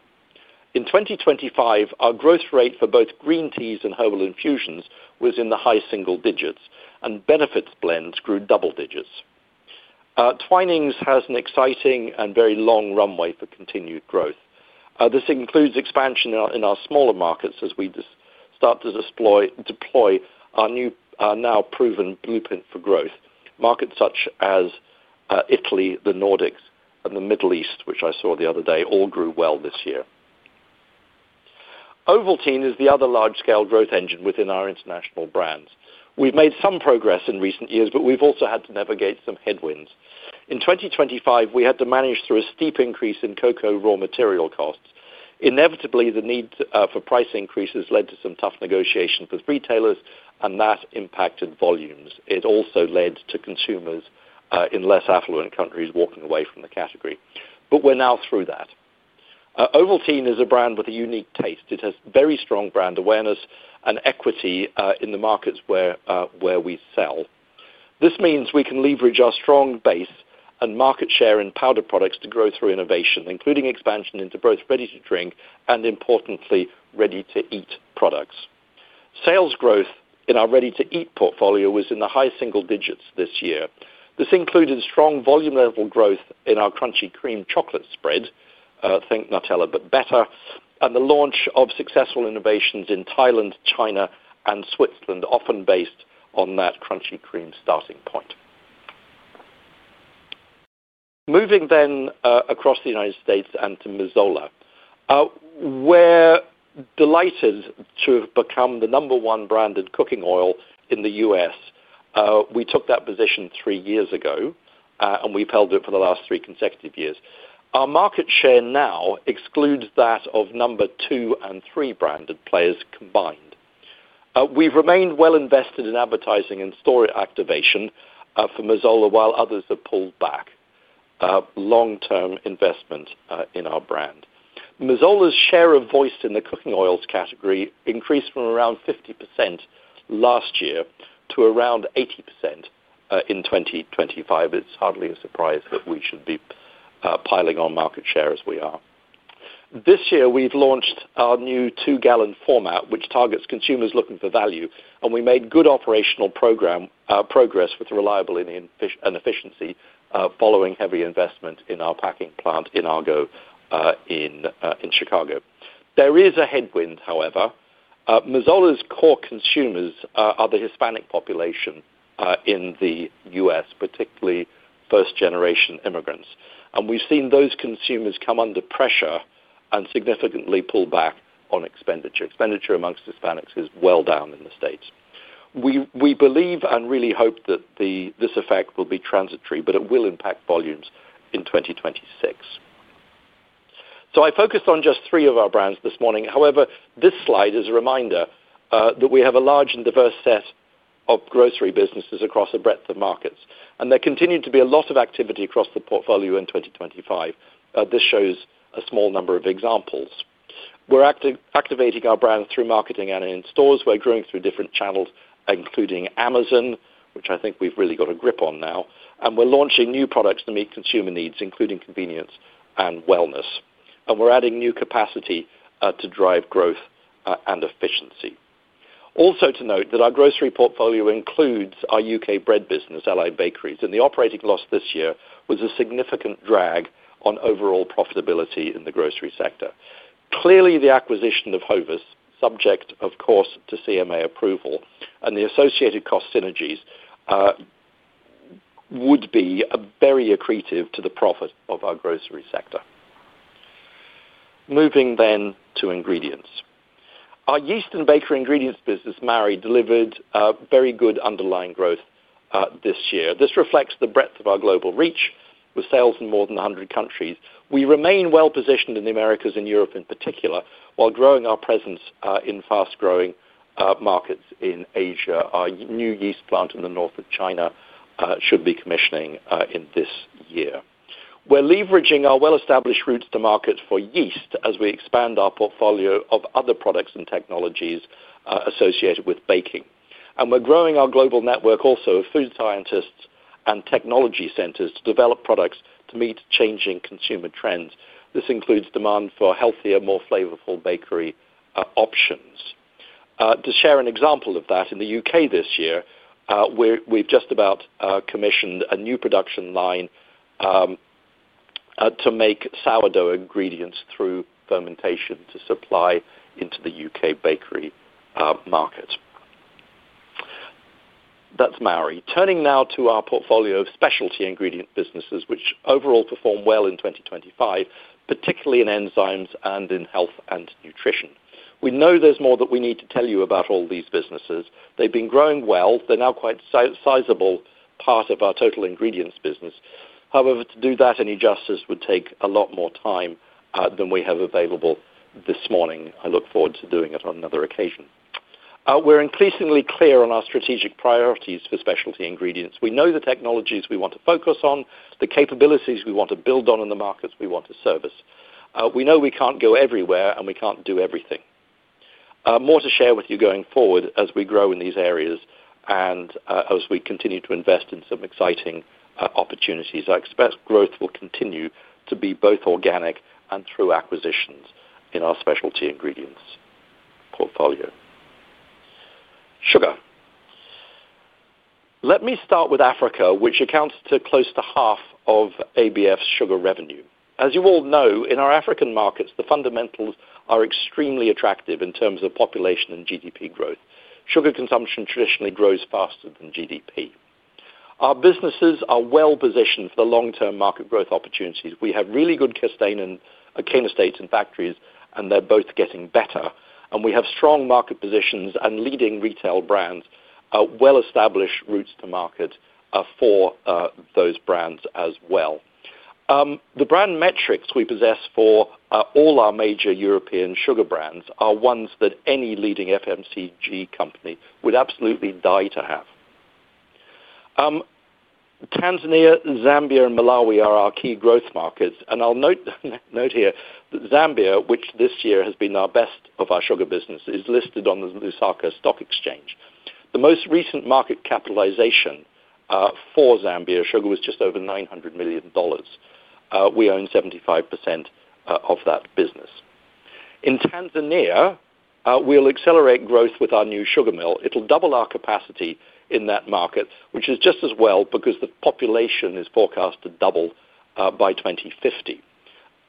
In 2025, our growth rate for both green teas and herbal infusions was in the high single digits, and benefit blends grew double digits. Twinings has an exciting and very long runway for continued growth. This includes expansion in our smaller markets as we start to deploy our now proven blueprint for growth. Markets such as Italy, the Nordics, and the Middle East, which I saw the other day, all grew well this year. Ovaltine is the other large-scale growth engine within our international brands. We have made some progress in recent years, but we have also had to navigate some headwinds. In 2025, we had to manage through a steep increase in cocoa raw material costs. Inevitably, the need for price increases led to some tough negotiations with retailers, and that impacted volumes. It also led to consumers in less affluent countries walking away from the category. We are now through that. Ovaltine is a brand with a unique taste. It has very strong brand awareness and equity in the markets where we sell. This means we can leverage our strong base and market share in powder products to grow through innovation, including expansion into both ready-to-drink and, importantly, ready-to-eat products. Sales growth in our ready-to-eat portfolio was in the high single digits this year. This included strong volume-level growth in our Crunchy Cream chocolate spread—think Nutella, but better—and the launch of successful innovations in Thailand, China, and Switzerland, often based on that Crunchy Cream starting point. Moving then across the United States and to Missoula. We're delighted to have become the number one branded cooking oil in the U.S. We took that position three years ago, and we've held it for the last three consecutive years. Our market share now exceeds that of number two and three branded players combined. We've remained well invested in advertising and store activation for Missoula while others have pulled back. Long-term investment in our brand. Missoula's share of voice in the cooking oils category increased from around 50% last year to around 80% in 2025. It's hardly a surprise that we should be piling on market share as we are. This year, we've launched our new two-gallon format, which targets consumers looking for value. We made good operational progress with reliability and efficiency following heavy investment in our packing plant in Argo in Chicago. There is a headwind, however. Missoula's core consumers are the Hispanic population in the U.S., particularly first-generation immigrants. We've seen those consumers come under pressure and significantly pull back on expenditure. Expenditure amongst Hispanics is well down in the States. We believe and really hope that this effect will be transitory, but it will impact volumes in 2026. I focused on just three of our brands this morning. However, this slide is a reminder that we have a large and diverse set of Grocery businesses across a breadth of markets. There continued to be a lot of activity across the portfolio in 2025. This shows a small number of examples. We're activating our brand through marketing and in stores. We're growing through different channels, including Amazon, which I think we've really got a grip on now. We're launching new products to meet consumer needs, including convenience and wellness. We're adding new capacity to drive growth and efficiency. Also to note that our Grocery portfolio includes our U.K. bread business, Allied Bakeries. The operating loss this year was a significant drag on overall profitability in the Grocery sector. Clearly, the acquisition of Hovis, subject, of course, to CMA approval and the associated cost synergies, would be very accretive to the profit of our Grocery sector. Moving then to Ingredients. Our Yeast and Bakery Ingredients business, AB Mauri, delivered very good underlying growth this year. This reflects the breadth of our global reach with sales in more than 100 countries. We remain well positioned in the Americas and Europe in particular, while growing our presence in fast-growing markets in Asia. Our new yeast plant in the north of China should be commissioning in this year. We're leveraging our well-established routes to market for yeast as we expand our portfolio of other products and technologies associated with baking. We're growing our global network also of food scientists and technology centers to develop products to meet changing consumer trends. This includes demand for healthier, more flavorful bakery options. To share an example of that, in the U.K. this year, we've just about commissioned a new production line to make sourdough ingredients through fermentation to supply into the U.K. bakery market. That's AB Mauri. Turning now to our portfolio of Specialty Ingredient businesses, which overall performed well in 2025, particularly in enzymes and in health and nutrition. We know there's more that we need to tell you about all these businesses. They've been growing well. They're now quite a sizable part of our total Ingredients business. However, to do that any justice would take a lot more time than we have available this morning. I look forward to doing it on another occasion. We're increasingly clear on our strategic priorities for Specialty Ingredients. We know the technologies we want to focus on, the capabilities we want to build on, and the markets we want to service. We know we can't go everywhere, and we can't do everything. More to share with you going forward as we grow in these areas and as we continue to invest in some exciting opportunities. I expect growth will continue to be both organic and through acquisitions in our Specialty Ingredients portfolio. Sugar. Let me start with Africa, which accounts for close to half of ABF's Sugar revenue. As you all know, in our African markets, the fundamentals are extremely attractive in terms of population and GDP growth. Sugar consumption traditionally grows faster than GDP. Our businesses are well positioned for the long-term market growth opportunities. We have really good case in the [United] States and factories, and they're both getting better. We have strong market positions and leading retail brands, well-established routes to market for those brands as well. The brand metrics we possess for all our major European sugar brands are ones that any leading FMCG company would absolutely die to have. Tanzania, Zambia, and Malawi are our key growth markets. I'll note here that Zambia, which this year has been our best of our Sugar business, is listed on the Lusaka Stock Exchange. The most recent market capitalization for Zambia sugar was just over $900 million. We own 75% of that business. In Tanzania, we'll accelerate growth with our new sugar mill. It'll double our capacity in that market, which is just as well because the population is forecast to double by 2050.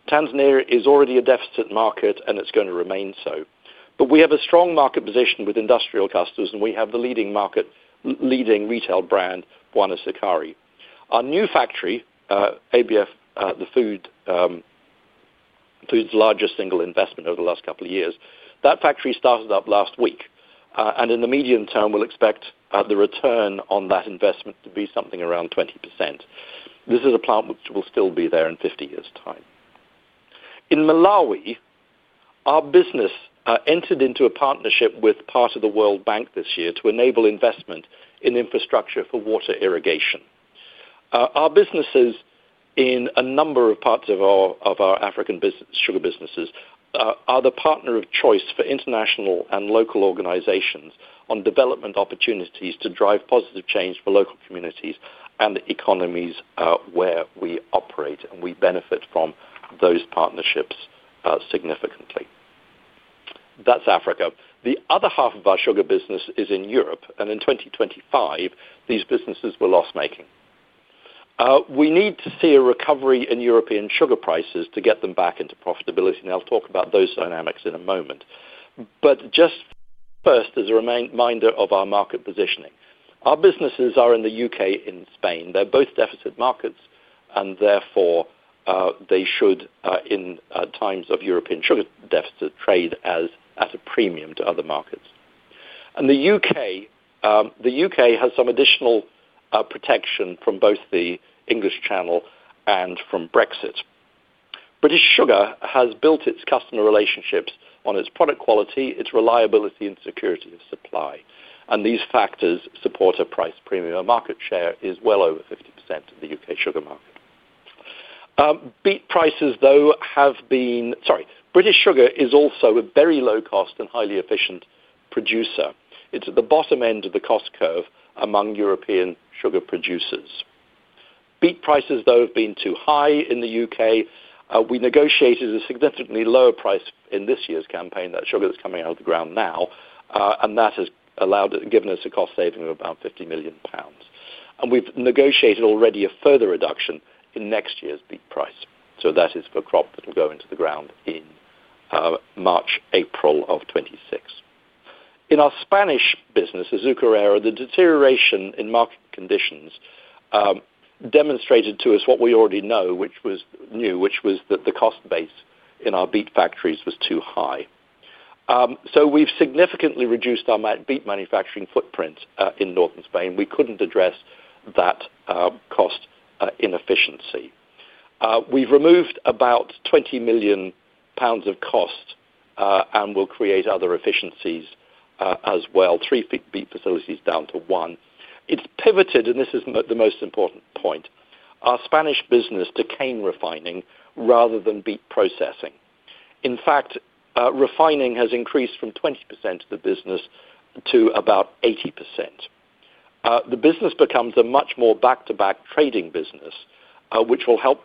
Tanzania is already a deficit market, and it's going to remain so. We have a strong market position with industrial customers, and we have the leading retail brand, Bwana Sukari. Our new factory, ABF, the Food. Food's largest single investment over the last couple of years, that factory started up last week. In the medium term, we'll expect the return on that investment to be something around 20%. This is a plant which will still be there in 50 years' time. In Malawi, our business entered into a partnership with part of the World Bank this year to enable investment in infrastructure for water irrigation. Our businesses in a number of parts of our African Sugar businesses are the partner of choice for international and local organizations on development opportunities to drive positive change for local communities and economies where we operate. We benefit from those partnerships significantly. That's Africa. The other half of our Sugar business is in Europe. In 2025, these businesses were loss-making. We need to see a recovery in European sugar prices to get them back into profitability. I'll talk about those dynamics in a moment. Just first, as a reminder of our market positioning, our businesses are in the U.K. and Spain. They're both deficit markets, and therefore they should, in times of European sugar deficit, trade at a premium to other markets. The U.K. has some additional protection from both the English Channel and from Brexit. British Sugar has built its customer relationships on its product quality, its reliability, and security of supply. These factors support a price premium. Our market share is well over 50% of the U.K. sugar market. Beet prices, though, have been—sorry. British Sugar is also a very low-cost and highly efficient producer. It's at the bottom end of the cost curve among European sugar producers. Beet prices, though, have been too high in the U.K. We negotiated a significantly lower price in this year's campaign. That sugar that's coming out of the ground now. That has given us a cost saving of about 50 million pounds. We've negotiated already a further reduction in next year's beet price. That is for crop that will go into the ground in March, April of 2026. In our Spanish business, Azucarera, the deterioration in market conditions demonstrated to us what we already know, which was that the cost base in our beet factories was too high. We've significantly reduced our beet manufacturing footprint in northern Spain. We couldn't address that cost inefficiency. We've removed about 20 million pounds of cost and will create other efficiencies as well. Three beet facilities down to one. It's pivoted, and this is the most important point, our Spanish business to cane refining rather than beet processing. In fact, refining has increased from 20% of the business to about 80%. The business becomes a much more back-to-back trading business, which will help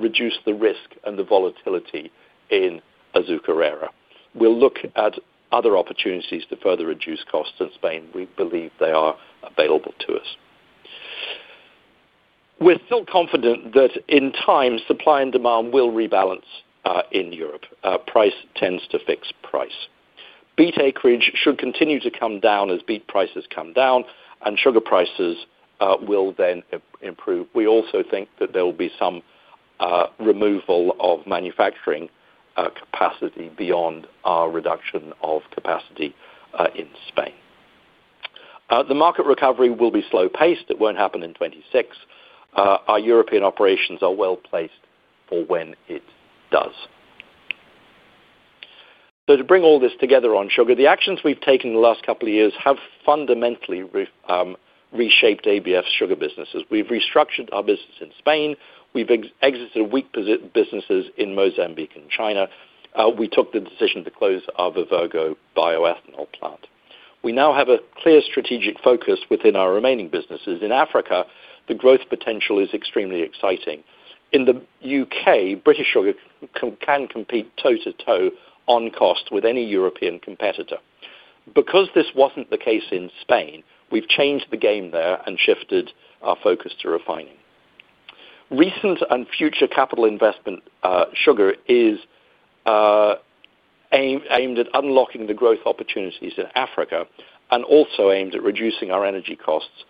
reduce the risk and the volatility in Azucarera. We'll look at other opportunities to further reduce costs in Spain. We believe they are available to us. We're still confident that in time, supply and demand will rebalance in Europe. Price tends to fix price. Beet acreage should continue to come down as beet prices come down, and sugar prices will then improve. We also think that there will be some removal of manufacturing capacity beyond our reduction of capacity in Spain. The market recovery will be slow-paced. It won't happen in 2026. Our European operations are well placed for when it does. To bring all this together on Sugar, the actions we've taken in the last couple of years have fundamentally reshaped ABF's Sugar businesses. We've restructured our business in Spain. We've exited weak businesses in Mozambique and China. We took the decision to close our Vivergo bioethanol plant. We now have a clear strategic focus within our remaining businesses. In Africa, the growth potential is extremely exciting. In the U.K., British Sugar can compete toe-to-toe on cost with any European competitor. Because this was not the case in Spain, we've changed the game there and shifted our focus to refining. Recent and future capital investment in Sugar is aimed at unlocking the growth opportunities in Africa and also aimed at reducing our energy costs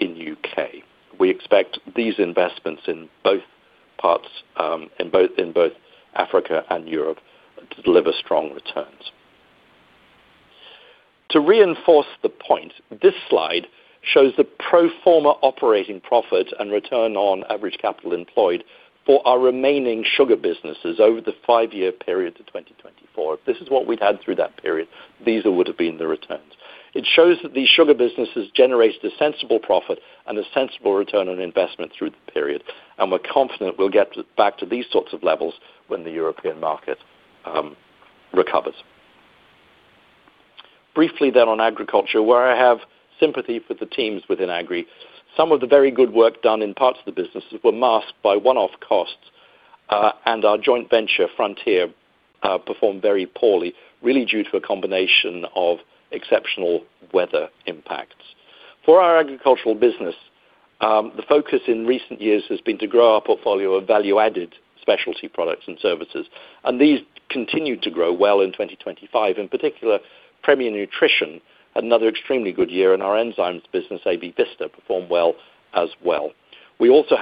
in the U.K. We expect these investments in both parts, in both Africa and Europe, to deliver strong returns. To reinforce the point, this slide shows the pro forma operating profit and return on average capital employed for our remaining Sugar businesses over the five-year period to 2024. If this is what we'd had through that period, these would have been the returns. It shows that these Sugar businesses generated a sensible profit and a sensible return on investment through the period. We're confident we'll get back to these sorts of levels when the European market recovers. Briefly then on agriculture, where I have sympathy for the teams within AB Agri, some of the very good work done in parts of the businesses was masked by one-off costs. Our joint venture, Frontier, performed very poorly, really due to a combination of exceptional weather impacts. For our Agriculture business, the focus in recent years has been to grow our portfolio of value-added specialty products and services. These continued to grow well in 2025. In particular, Premier Nutrition, another extremely good year, and our enzymes business, AB Vista, performed well as well. We also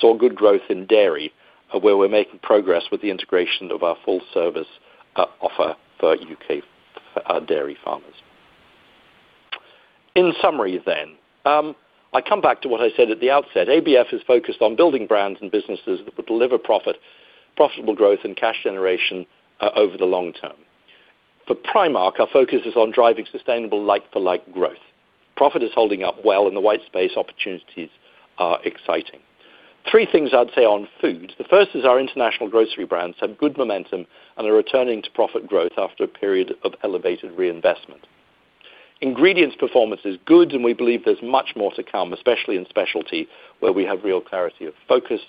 saw good growth in dairy, where we're making progress with the integration of our full service offer for U.K. dairy farmers. In summary then, I come back to what I said at the outset. ABF is focused on building brands and businesses that will deliver profitable growth and cash generation over the long term. For Primark, our focus is on driving sustainable like-for-like growth. Profit is holding up well, and the white space opportunities are exciting. Three things I'd say on Food. The first is our international grocery brands have good momentum and are returning to profit growth after a period of elevated reinvestment. Ingredients performance is good, and we believe there's much more to come, especially in Specialty, where we have real clarity of focus.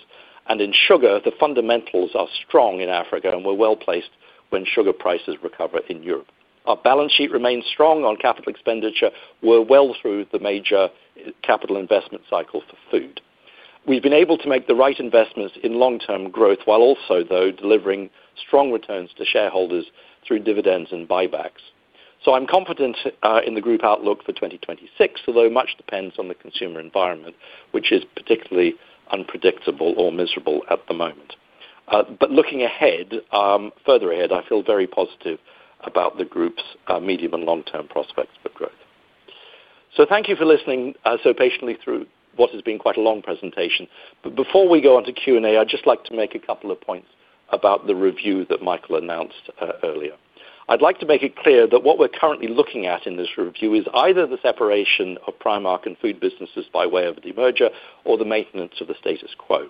In Sugar, the fundamentals are strong in Africa, and we're well placed when sugar prices recover in Europe. Our balance sheet remains strong on capital expenditure. We're well through the major capital investment cycle for Food. We've been able to make the right investments in long-term growth while also, though, delivering strong returns to shareholders through dividends and buybacks. I'm confident in the group outlook for 2026, although much depends on the consumer environment, which is particularly unpredictable or miserable at the moment. Looking further ahead, I feel very positive about the group's medium and long-term prospects for growth. Thank you for listening so patiently through what has been quite a long presentation. Before we go on to Q&A, I'd just like to make a couple of points about the review that Michael announced earlier. I'd like to make it clear that what we're currently looking at in this review is either the separation of Primark and Food businesses by way of a demerger or the maintenance of the status quo.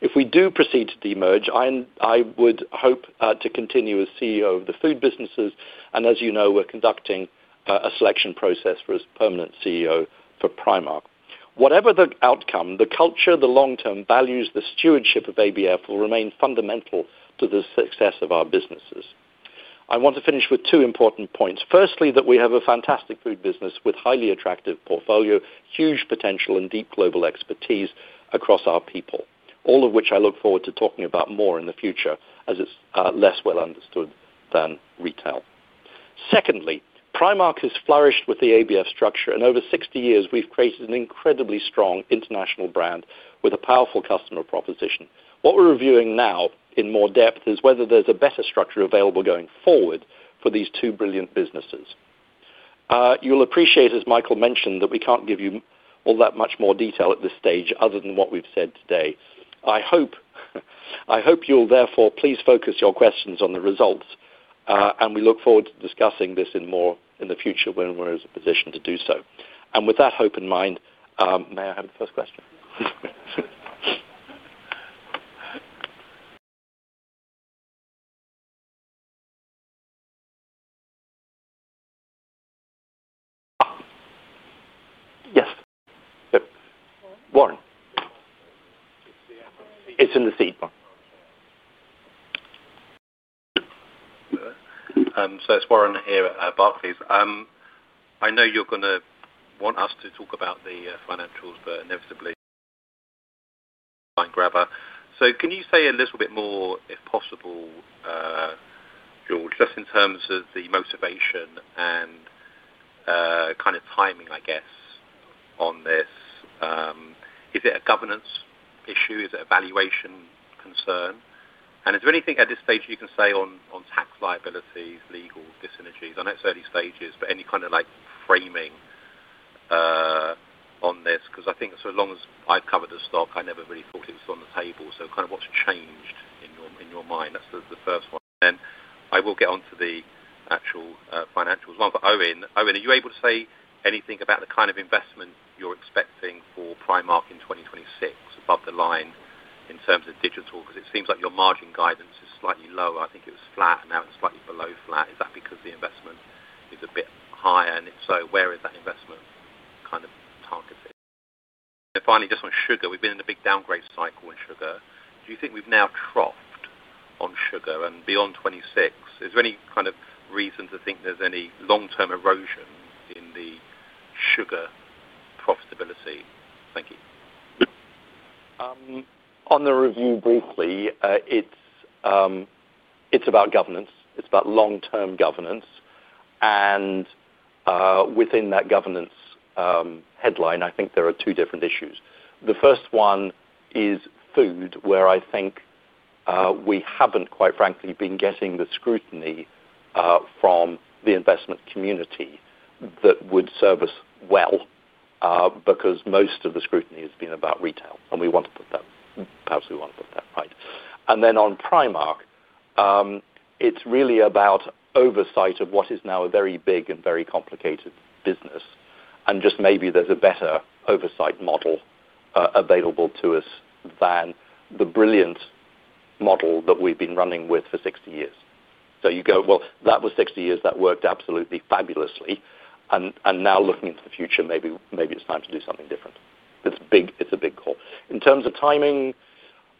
If we do proceed to demerge, I would hope to continue as CEO of the Food businesses. As you know, we're conducting a selection process for a permanent CEO for Primark. Whatever the outcome, the culture, the long-term values, the stewardship of ABF will remain fundamental to the success of our businesses. I want to finish with two important points. Firstly, that we have a fantastic Food business with a highly attractive portfolio, huge potential, and deep global expertise across our people, all of which I look forward to talking about more in the future as it's less well understood than retail. Secondly, Primark has flourished with the ABF structure. In over 60 years, we've created an incredibly strong international brand with a powerful customer proposition. What we're reviewing now in more depth is whether there's a better structure available going forward for these two brilliant businesses. You'll appreciate, as Michael mentioned, that we can't give you all that much more detail at this stage other than what we've said today. I hope you'll therefore please focus your questions on the results. We look forward to discussing this more in the future when we're in a position to do so. With that hope in mind, may I have the first question? Yes. Yep. Warren. It's in the seat. It's Warren here at Barclays. I know you're going to want us to talk about the financials, but inevitably, I'm going to grab her. Can you say a little bit more, if possible, George, just in terms of the motivation and kind of timing, I guess, on this? Is it a governance issue? Is it a valuation concern? Is there anything at this stage you can say on tax liabilities, legal disinities? I know it's early stages, but any kind of framing on this? Because I think so long as I've covered the stock, I never really thought it was on the table. Kind of what's changed in your mind? That's the first one. Then I will get on to the actual financials. One for Eoin. Eoin, are you able to say anything about the kind of investment you're expecting for Primark in 2026 above the line in terms of digital? Because it seems like your margin guidance is slightly lower. I think it was flat, and now it's slightly below flat. Is that because the investment is a bit higher? If so, where is that investment kind of targeted? Finally, just on Sugar, we've been in a big downgrade cycle in Sugar. Do you think we've now troughed on Sugar and beyond 2026? Is there any kind of reason to think there's any long-term erosion in the sugar profitability? Thank you. On the review briefly, it's about governance. It's about long-term governance. Within that governance headline, I think there are two different issues. The first one is Food, where I think we haven't, quite frankly, been getting the scrutiny from the investment community that would serve us well. Because most of the scrutiny has been about Retail. We want to put that, perhaps we want to put that right. Then on Primark, it's really about oversight of what is now a very big and very complicated business. Maybe there's a better oversight model available to us than the brilliant model that we've been running with for 60 years. You go, "That was 60 years. That worked absolutely fabulously." Now looking into the future, maybe it's time to do something different. It's a big call. In terms of timing,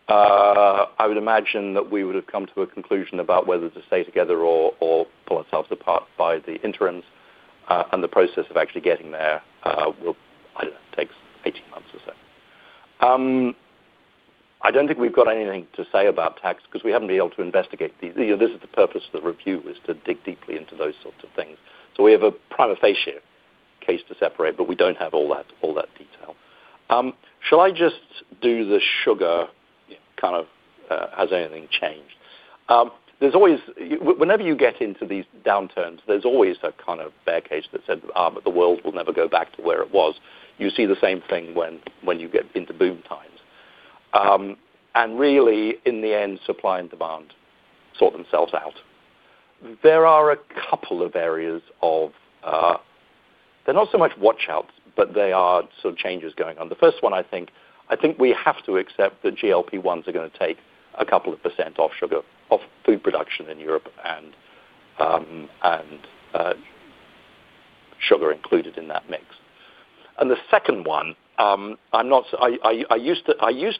I would imagine that we would have come to a conclusion about whether to stay together or pull ourselves apart by the interims. The process of actually getting there will, I don't know, take 18 months or so. I don't think we've got anything to say about tax because we haven't been able to investigate these. This is the purpose of the review, is to dig deeply into those sorts of things. We have a private face share case to separate, but we don't have all that detail. Shall I just do the sugar, has anything changed? Whenever you get into these downturns, there's always that kind of bear cage that says, "The world will never go back to where it was." You see the same thing when you get into boom times. Really, in the end, supply and demand sort themselves out. There are a couple of areas of, they're not so much watch outs, but they are sort of changes going on. The first one, I think we have to accept that GLP-1s are going to take a couple of percent off Food production in Europe and sugar included in that mix. The second one, I used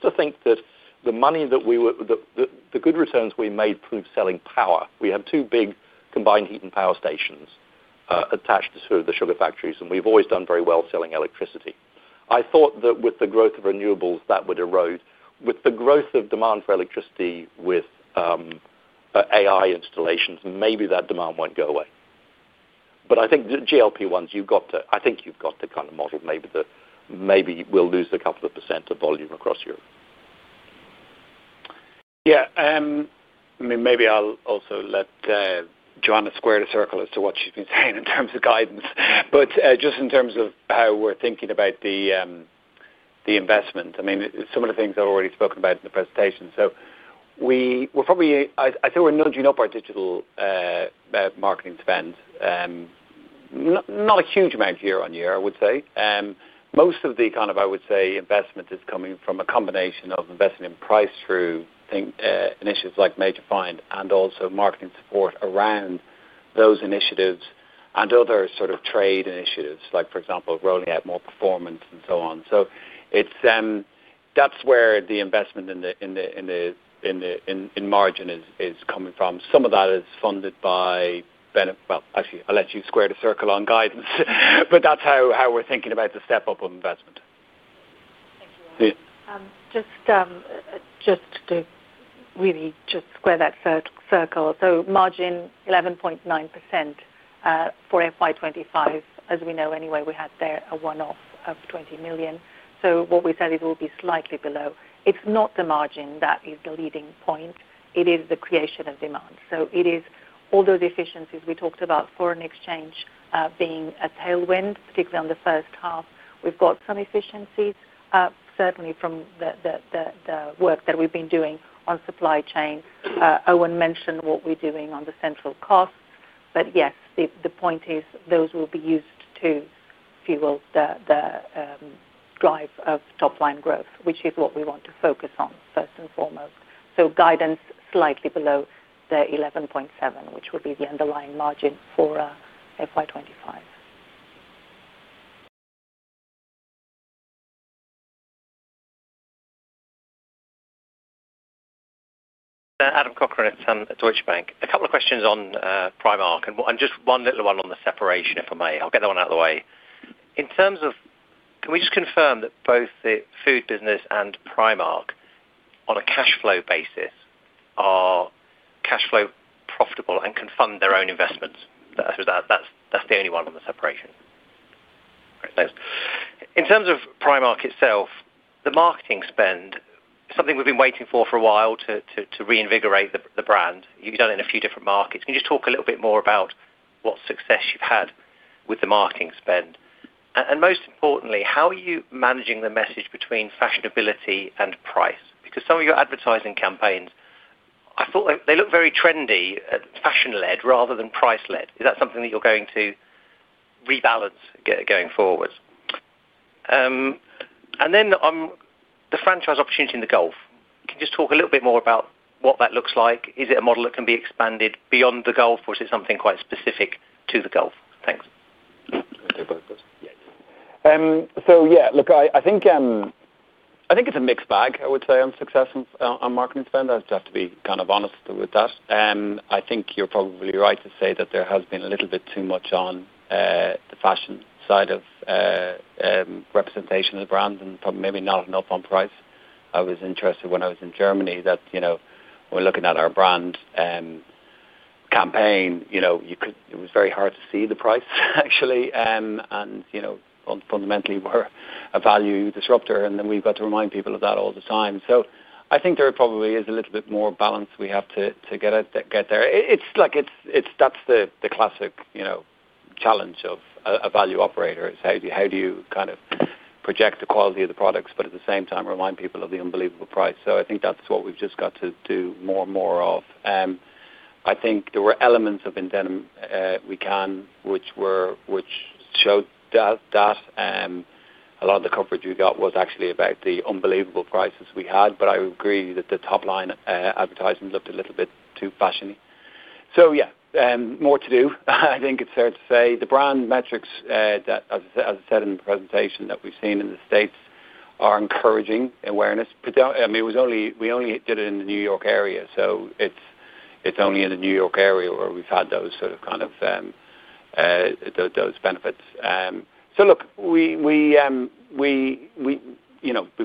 to think that the money that we were, the good returns we made proved selling power. We have two big combined heat and power stations attached to the sugar factories, and we've always done very well selling electricity. I thought that with the growth of renewables, that would erode. With the growth of demand for electricity with AI installations, maybe that demand will not go away. I think the GLP-1s, you have got to, I think you have got to kind of model maybe. We will lose a couple of percent of volume across Europe. Yeah. I mean, maybe I will also let Joana square the circle as to what she has been saying in terms of guidance. Just in terms of how we are thinking about the investment, I mean, some of the things I have already spoken about in the presentation. We are probably, I think we are nudging up our digital marketing spend. Not a huge amount year on year, I would say. Most of the kind of, I would say, investment is coming from a combination of investing in price through initiatives like Major Find and also marketing support around those initiatives and other sort of trade initiatives, like, for example, rolling out more performance and so on. That is where the investment in the margin is coming from. Some of that is funded by, well, actually, I will let you square the circle on guidance. That is how we are thinking about the step-up of investment. Thank you. Just to really just square that circle. Margin 11.9% for FY 2025, as we know anyway, we had there a one-off of 20 million. What we said is it will be slightly below. It is not the margin that is the leading point. It is the creation of demand. It is all those efficiencies we talked about, foreign exchange being a tailwind, particularly on the first half. We have got some efficiencies, certainly from the work that we have been doing on supply chain. Eoin mentioned what we are doing on the central costs. The point is those will be used to fuel the drive of top-line growth, which is what we want to focus on first and foremost. Guidance slightly below the 11.7%, which will be the underlying margin for FY 2025. Adam Sutker at Deutsche Bank. A couple of questions on Primark. Just one little one on the separation, if I may. I will get that one out of the way. In terms of, can we just confirm that both the Food business and Primark, on a cash flow basis, are cash flow profitable and can fund their own investments? That is the only one on the separation. Great. Thanks. In terms of Primark itself, the marketing spend, something we have been waiting for for a while to reinvigorate the brand. You have done it in a few different markets. Can you just talk a little bit more about what success you have had with the marketing spend? Most importantly, how are you managing the message between fashionability and price? Some of your advertising campaigns, I thought they look very trendy, fashion-led rather than price-led. Is that something that you are going to rebalance going forward? And then. The franchise opportunity in the Gulf, can you just talk a little bit more about what that looks like? Is it a model that can be expanded beyond the Gulf, or is it something quite specific to the Gulf? Thanks. Yeah, look, I think. It's a mixed bag, I would say, on marketing spend. I'd just have to be kind of honest with that. I think you're probably right to say that there has been a little bit too much on the fashion side of representation of the brand and probably maybe not enough on price. I was interested when I was in Germany that when looking at our brand campaign, it was very hard to see the price, actually. Fundamentally, we're a value disruptor, and then we've got to remind people of that all the time. I think there probably is a little bit more balance we have to get there. That's the classic challenge of a value operator. It's how do you kind of project the quality of the products, but at the same time, remind people of the unbelievable price? I think that's what we've just got to do more and more of. I think there were elements of indemn we can, which showed that a lot of the coverage we got was actually about the unbelievable prices we had. I agree that the top-line advertising looked a little bit too fashiony. Yeah, more to do. I think it's fair to say the brand metrics, as I said in the presentation, that we've seen in the States are encouraging awareness. I mean, we only did it in the New York area. It's only in the New York area where we've had those sort of kind of benefits. Look. We've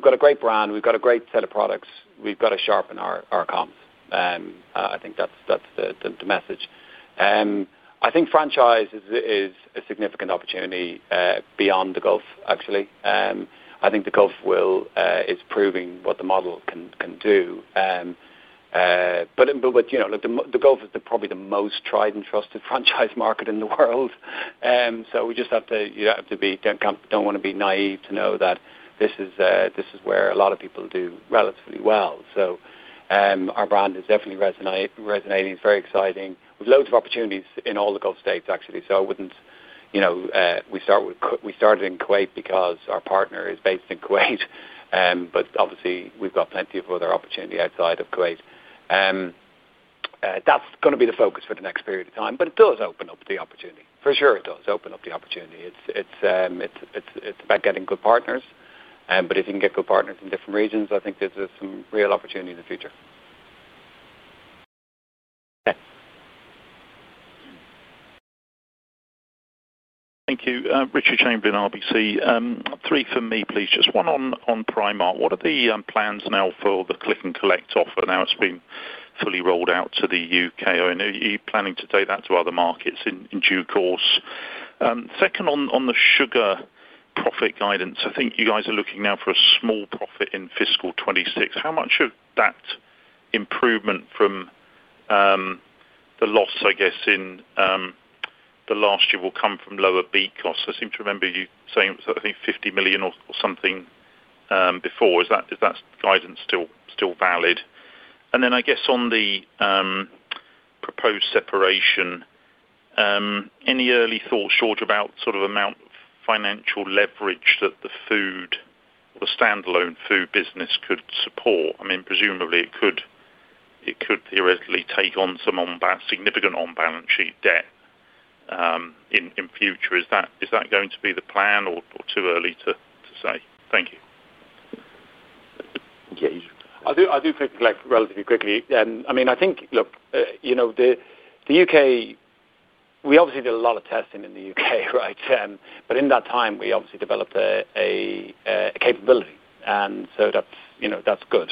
got a great brand. We've got a great set of products. We've got to sharpen our comms. I think that's the message. I think franchise is a significant opportunity beyond the Gulf, actually. I think the Gulf is proving what the model can do. The Gulf is probably the most tried and trusted franchise market in the world. We just have to—you don't have to be—don't want to be naive to know that this is where a lot of people do relatively well. Our brand is definitely resonating. It's very exciting. We've loads of opportunities in all the Gulf States, actually. I wouldn't—we started in Kuwait because our partner is based in Kuwait. Obviously, we've got plenty of other opportunity outside of Kuwait. That's going to be the focus for the next period of time. It does open up the opportunity. For sure, it does open up the opportunity. It's about getting good partners. If you can get good partners in different regions, I think there's some real opportunity in the future. Okay. Thank you. Richard Chamberlain, RBC. Three for me, please. Just one on Primark. What are the plans now for the Click & Collect offer? Now it has been fully rolled out to the U.K. Are you planning to take that to other markets in due course? Second, on the Sugar profit guidance, I think you guys are looking now for a small profit in fiscal 2026. How much of that improvement from the loss, I guess, in the last year will come from lower B costs? I seem to remember you saying it was, I think, 50 million or something before. Is that guidance still valid? Then I guess on the proposed separation, any early thoughts, George, about sort of amount of financial leverage that the food or the standalone Food business could support? I mean, presumably, it could theoretically take on some significant on-balance sheet debt in future. Is that going to be the plan, or too early to say? Thank you. Yeah, I do think relatively quickly. I mean, I think, look, the U.K., we obviously did a lot of testing in the U.K., right? In that time, we obviously developed a capability, and so that is good.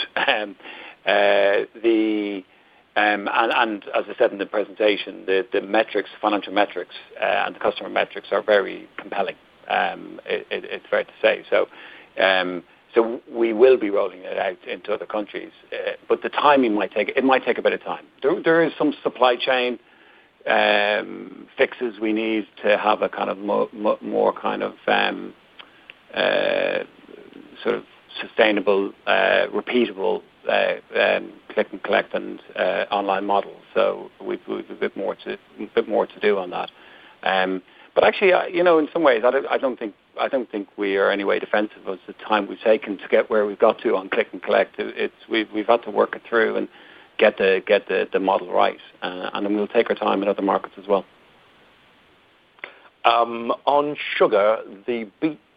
As I said in the presentation, the metrics, financial metrics, and the customer metrics are very compelling. It is fair to say. We will be rolling it out into other countries, but the timing might take a bit of time. There are some supply chain fixes we need to have, a kind of more kind of sustainable, repeatable Click & Collect and online model. We have a bit more to do on that. Actually, in some ways, I do not think we are in any way defensive of the time we have taken to get where we have got to on Click & Collect. We have had to work it through and get the model right, and we will take our time in other markets as well. On Sugar, the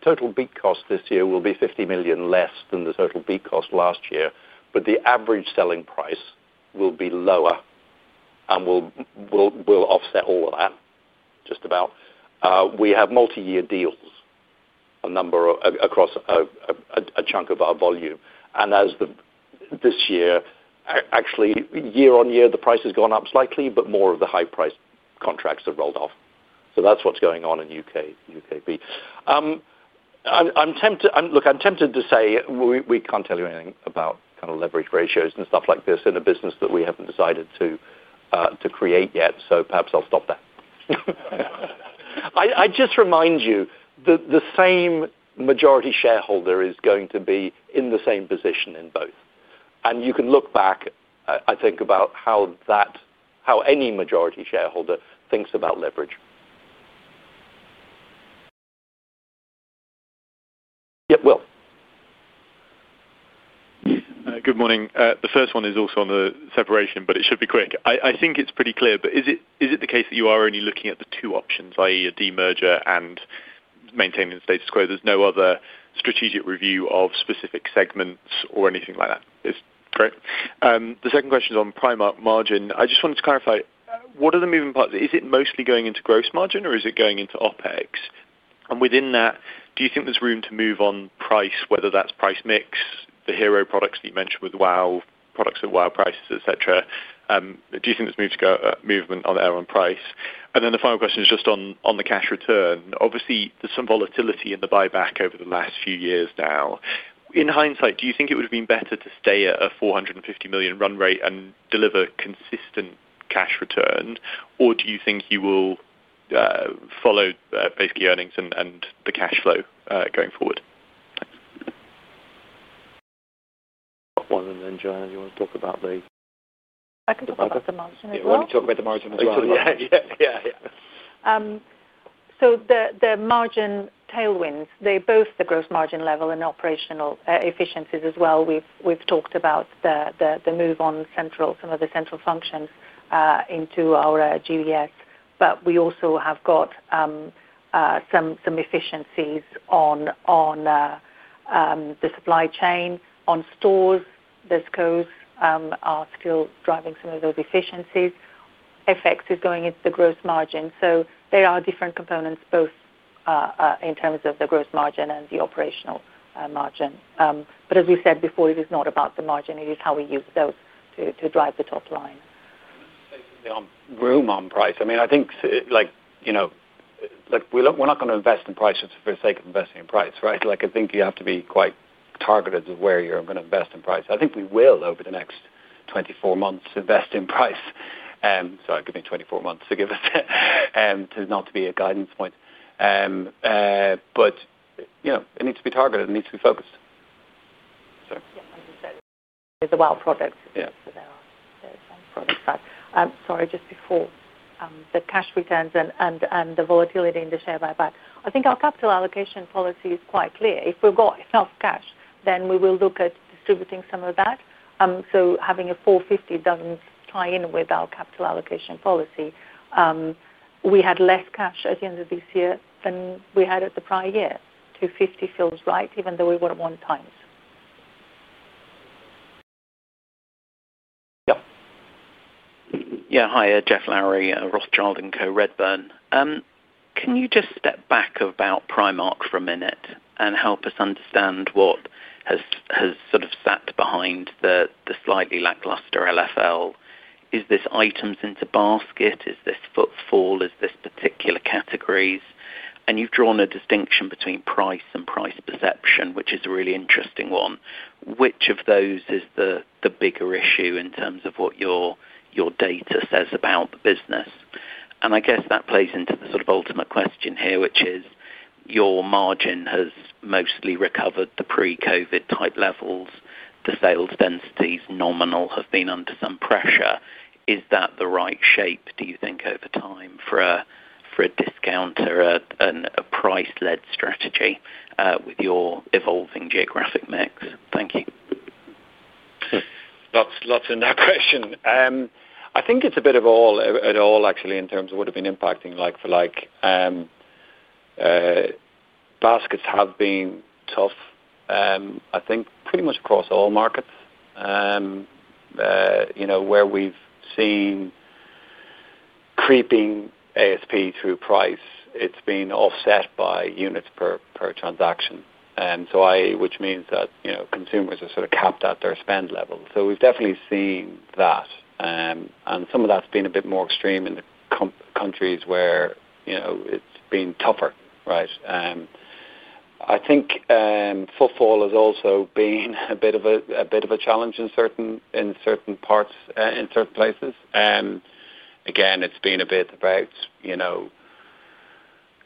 total B cost this year will be 50 million less than the total B cost last year, but the average selling price will be lower, and we will offset all of that, just about. We have multi-year deals across a chunk of our volume. This year, actually, year on year, the price has gone up slightly, but more of the high-priced contracts have rolled off. That is what is going on in U.K. [in AB]. I am tempted to say we cannot tell you anything about kind of leverage ratios and stuff like this in a business that we have not decided to create yet, so perhaps I will stop there. I just remind you that the same majority shareholder is going to be in the same position in both, and you can look back, I think, about how any majority shareholder thinks about leverage. Yep, Will. Good morning. The first one is also on the separation, but it should be quick. I think it is pretty clear, but is it the case that you are only looking at the two options, i.e., a demerger and maintaining the status quo? There's no other strategic review of specific segments or anything like that? Great. The second question is on Primark margin. I just wanted to clarify. What are the moving parts? Is it mostly going into gross margin, or is it going into OpEx? And within that, do you think there's room to move on price, whether that's price mix, the hero products that you mentioned with [Wow], products at [Wow] prices, etc.? Do you think there's movement on price? And then the final question is just on the cash return. Obviously, there's some volatility in the buyback over the last few years now. In hindsight, do you think it would have been better to stay at a 450 million run rate and deliver consistent cash return, or do you think you will follow basically earnings and the cash flow going forward? Thanks. One and then Joana, do you want to talk about the. I can talk about the margin as well. Yeah. Let me talk about the margin as well. So the margin tailwinds, they're both the gross margin level and operational efficiencies as well. We've talked about the move on some of the central functions into our [GBS]. But we also have got some efficiencies on the supply chain. On stores, the stores are still driving some of those efficiencies. FX is going into the gross margin. So there are different components, both in terms of the gross margin and the operational margin. But as we said before, it is not about the margin. It is how we use those to drive the top line. Room on price. I mean, I think we're not going to invest in price just for the sake of investing in price, right? I think you have to be quite targeted of where you're going to invest in price. I think we will, over the next 24 months, invest in price. Sorry, give me 24 months to give us to not be a guidance point. But it needs to be targeted. It needs to be focused. Sorry. As I said, it's a [Wow] product. So there are some products that—sorry, just before. The cash returns and the volatility in the share buyback. I think our capital allocation policy is quite clear. If we've got enough cash, then we will look at distributing some of that. So having a 450 million doesn't tie in with our capital allocation policy. We had less cash at the end of this year than we had at the prior year. 250 million feels right, even though we were at one times. Yep. Hi, Geoff Lowery, Rothschild & Co Redburn. Can you just step back about Primark for a minute and help us understand what has sort of sat behind the slightly lackluster LFL? Is this items into basket? Is this footfall? Is this particular categories? And you've drawn a distinction between price and price perception, which is a really interesting one. Which of those is the bigger issue in terms of what your data says about the business? I guess that plays into the sort of ultimate question here, which is your margin has mostly recovered to pre-COVID type levels. The sales densities nominal have been under some pressure. Is that the right shape, do you think, over time for a discount or a price-led strategy with your evolving geographic mix? Thank you. Lots in that question. I think it's a bit of all, actually, in terms of what has been impacting like-for-like. Baskets have been tough. I think pretty much across all markets. Where we've seen creeping ASP through price, it's been offset by units per transaction, which means that consumers have sort of capped out their spend level. We've definitely seen that. Some of that's been a bit more extreme in the countries where it's been tougher, right? I think footfall has also been a bit of a challenge in certain parts, in certain places. Again, it's been a bit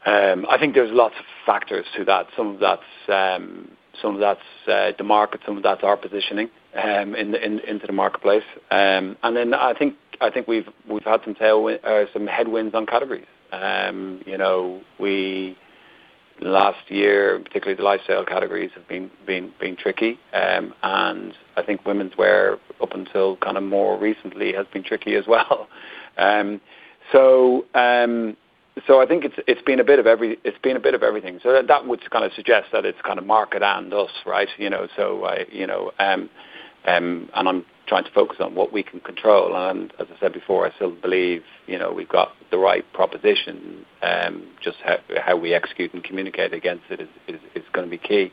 about—I think there's lots of factors to that. Some of that's the market. Some of that's our positioning into the marketplace. I think we've had some headwinds on categories. Last year, particularly the lifestyle categories have been tricky. I think women's wear, up until kind of more recently, has been tricky as well. I think it's been a bit of everything. That would kind of suggest that it's kind of market and us, right? I'm trying to focus on what we can control. As I said before, I still believe we've got the right proposition. Just how we execute and communicate against it is going to be key.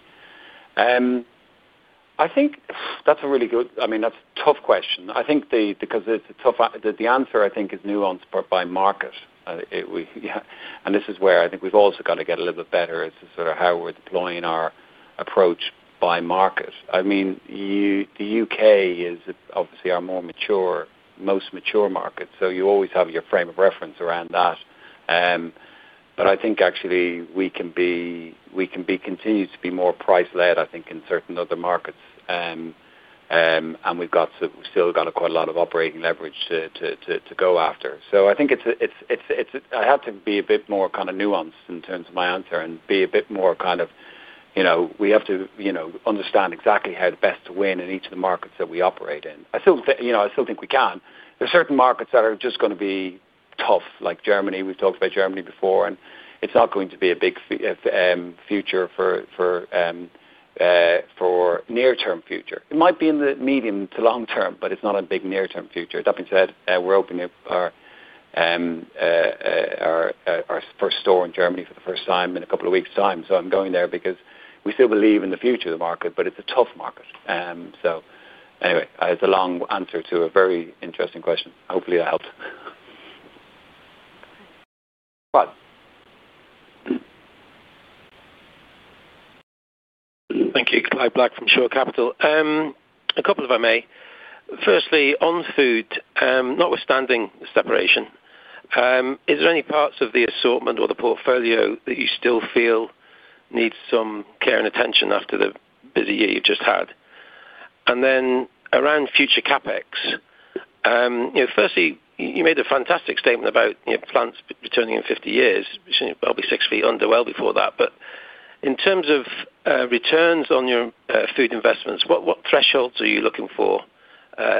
I think that's a really good—I mean, that's a tough question. I think because the answer, I think, is nuanced by market. This is where I think we've also got to get a little bit better as to sort of how we're deploying our approach by market. I mean, the U.K. is obviously our most mature market. You always have your frame of reference around that. I think, actually, we can continue to be more price-led, I think, in certain other markets. We've still got quite a lot of operating leverage to go after. I think I have to be a bit more kind of nuanced in terms of my answer and be a bit more kind of—we have to understand exactly how best to win in each of the markets that we operate in. I still think we can. There are certain markets that are just going to be tough, like Germany. We've talked about Germany before. It's not going to be a big future for near-term future. It might be in the medium to long term, but it's not a big near-term future. That being said, we're opening up our. First store in Germany for the first time in a couple of weeks' time. I am going there because we still believe in the future of the market, but it is a tough market. Anyway, it is a long answer to a very interesting question. Hopefully, that helps. Thank you. Clive Black from Shore Capital. A couple if I may. Firstly, on Food, notwithstanding the separation. Is there any parts of the assortment or the portfolio that you still feel need some care and attention after the busy year you have just had? Then around future CapEx. Firstly, you made a fantastic statement about plants returning in 50 years. We will be six feet under well before that. In terms of returns on your Food investments, what thresholds are you looking for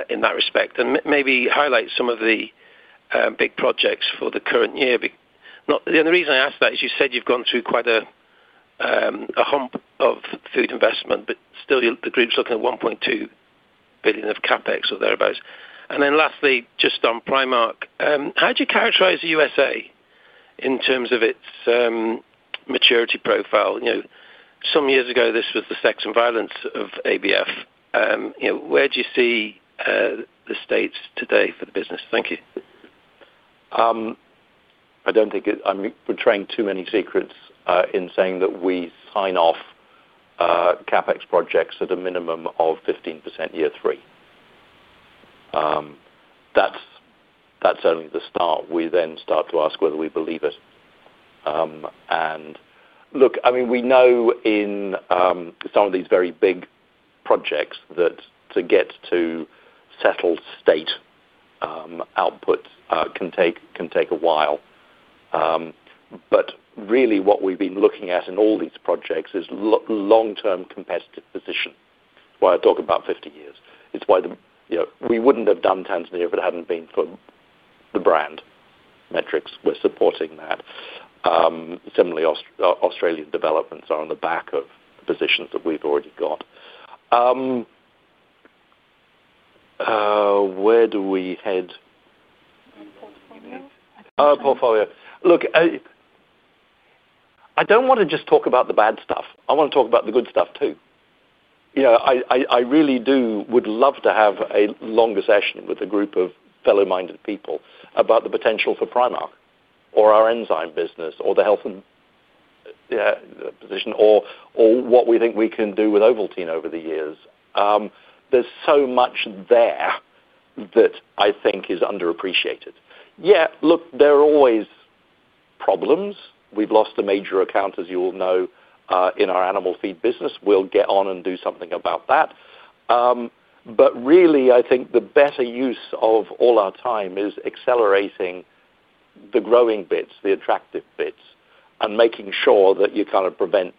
in that respect? Maybe highlight some of the big projects for the current year. The reason I ask that is you said you have gone through quite a hump of Food investment, but still, the group is looking at 1.2 billion of CapEx or thereabouts. Lastly, just on Primark, how do you characterize the USA in terms of its maturity profile? Some years ago, this was the sex and violence of ABF. Where do you see the states today for the business? Thank you. I do not think we are betraying too many secrets in saying that we sign off CapEx projects at a minimum of 15% year three. That is only the start. We then start to ask whether we believe it. Look, I mean, we know in some of these very big projects that to get to settled state, output can take a while. Really, what we have been looking at in all these projects is long-term competitive position. It is why I talk about 50 years. It is why we would not have done Tanzania if it had not been for the brand metrics supporting that. Similarly, Australia's developments are on the back of positions that we have already got. Where do we head? Portfolio. Look. I do not want to just talk about the bad stuff. I want to talk about the good stuff too. I really would love to have a longer session with a group of fellow-minded people about the potential for Primark or our enzyme business or the health position or what we think we can do with Ovaltine over the years. There is so much there that I think is underappreciated. Yeah. Look, there are always problems. We have lost a major account, as you all know, in our animal feed business. We will get on and do something about that. Really, I think the better use of all our time is accelerating the growing bits, the attractive bits, and making sure that you kind of prevent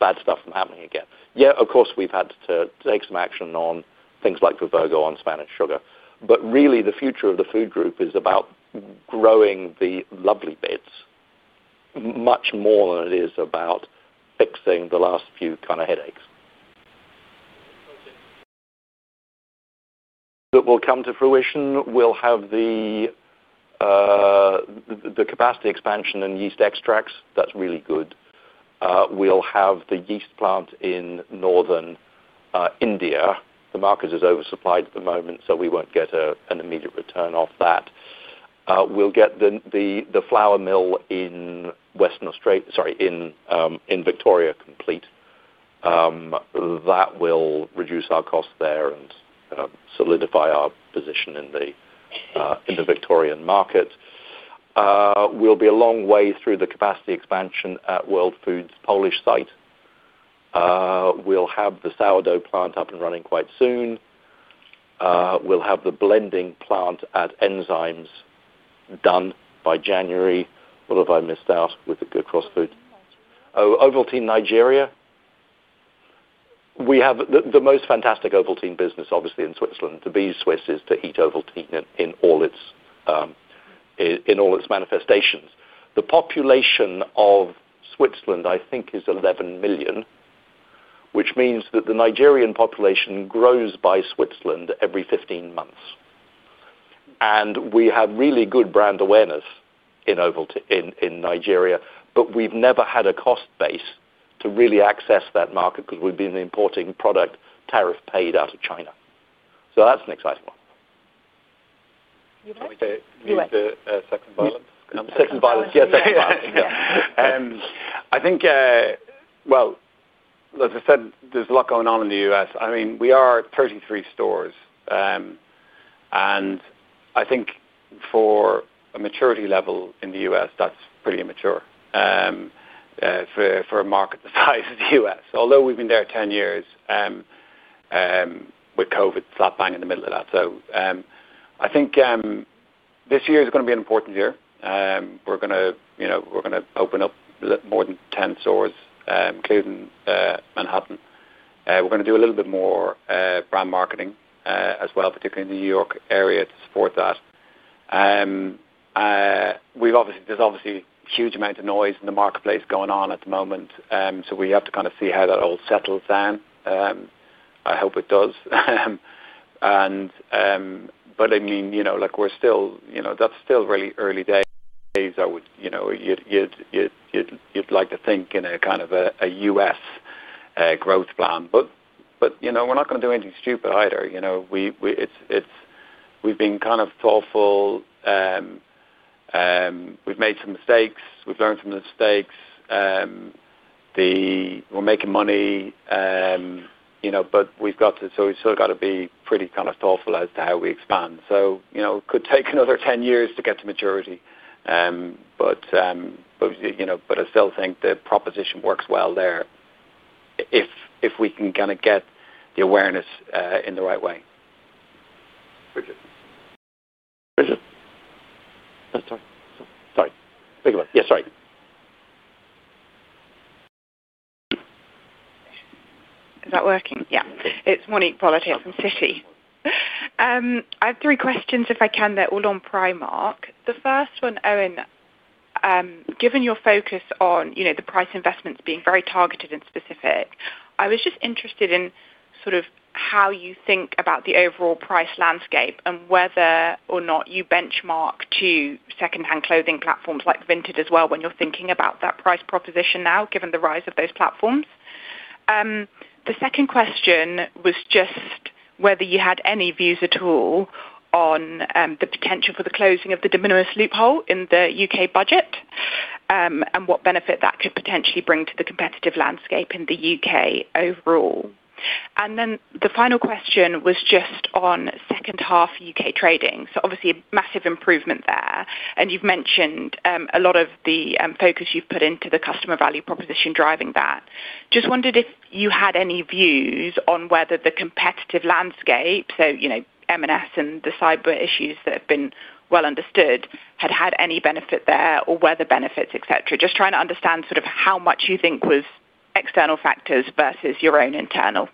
bad stuff from happening again. Yeah, of course, we have had to take some action on things like the Vivergo on Spanish sugar. Really, the future of the Food group is about growing the lovely bits. Much more than it is about fixing the last few kind of headaches that will come to fruition. We'll have the capacity expansion in yeast extracts. That's really good. We'll have the yeast plant in Northern India. The market is oversupplied at the moment, so we won't get an immediate return off that. We'll get the flour mill in Western Australia—sorry, in Victoria—complete. That will reduce our costs there and solidify our position in the Victorian market. We'll be a long way through the capacity expansion at World Food's Polish site. We'll have the sourdough plant up and running quite soon. We'll have the blending plant at Enzymes done by January. What have I missed out with the cross Food? Ovaltine Nigeria. We have the most fantastic Ovaltine business, obviously, in Switzerland. The bee's wish is to eat Ovaltine in all its manifestations. The population of Switzerland, I think, is 11 million, which means that the Nigerian population grows by Switzerland every 15 months. And we have really good brand awareness in Nigeria, but we've never had a cost base to really access that market because we've been importing product tariff-paid out of China. That's an exciting one. You've actually— We've had the sex and violence. Sex and violence. Yeah. Sex and violence. Yeah. I think. As I said, there's a lot going on in the U.S. I mean, we are 33 stores. I think for a maturity level in the U.S., that's pretty immature for a market the size of the U.S. Although we've been there 10 years, with COVID flat bang in the middle of that. I think this year is going to be an important year. We're going to open up more than 10 stores, including Manhattan. We're going to do a little bit more brand marketing as well, particularly in the New York area, to support that. There's obviously a huge amount of noise in the marketplace going on at the moment. We have to kind of see how that all settles down. I hope it does. I mean, that's still really early days. I would. You'd like to think in a kind of a U.S. growth plan. We're not going to do anything stupid either. We've been kind of thoughtful. We've made some mistakes. We've learned from the mistakes. We're making money. We've still got to be pretty kind of thoughtful as to how we expand. It could take another 10 years to get to maturity. I still think the proposition works well there if we can kind of get the awareness in the right way. Richard. Richard? Sorry. Sorry. Bigger voice. Yeah. Sorry. Is that working? Yeah. It's Monique Pollard from Citi. I have three questions, if I can, they're all on Primark. The first one, Eoin. Given your focus on the price investments being very targeted and specific, I was just interested in sort of how you think about the overall price landscape and whether or not you benchmark to second-hand clothing platforms like Vinted as well when you're thinking about that price proposition now, given the rise of those platforms. The second question was just whether you had any views at all on the potential for the closing of the de minimis loophole in the U.K. budget. And what benefit that could potentially bring to the competitive landscape in the U.K. overall. The final question was just on second-half U.K. trading. Obviously, a massive improvement there. You've mentioned a lot of the focus you've put into the customer value proposition driving that. Just wondered if you had any views on whether the competitive landscape, so M&S and the cyber issues that have been well understood, had had any benefit there or were there benefits, etc. Just trying to understand sort of how much you think was external factors versus your own internal.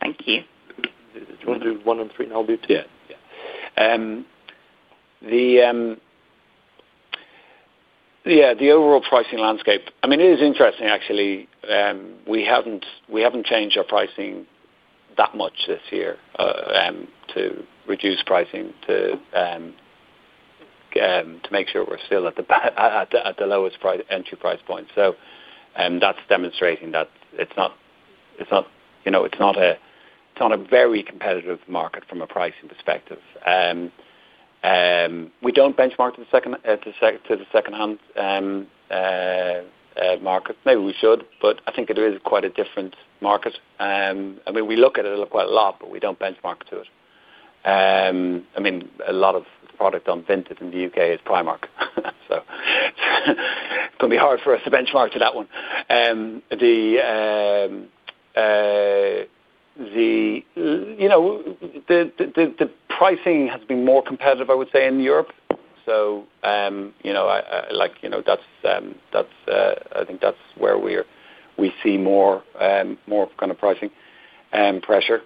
Thank you. Do you want to do one and three, and I'll do two? Yeah. Yeah. The overall pricing landscape, I mean, it is interesting, actually. We haven't changed our pricing that much this year. To reduce pricing to make sure we're still at the lowest entry price point. That's demonstrating that it's not a very competitive market from a pricing perspective. We don't benchmark to the second-hand market. Maybe we should, but I think it is quite a different market. I mean, we look at it quite a lot, but we don't benchmark to it. A lot of the product on Vinted in the U.K. is Primark. It's going to be hard for us to benchmark to that one. The pricing has been more competitive, I would say, in Europe. That's, I think that's where we see more kind of pricing pressure.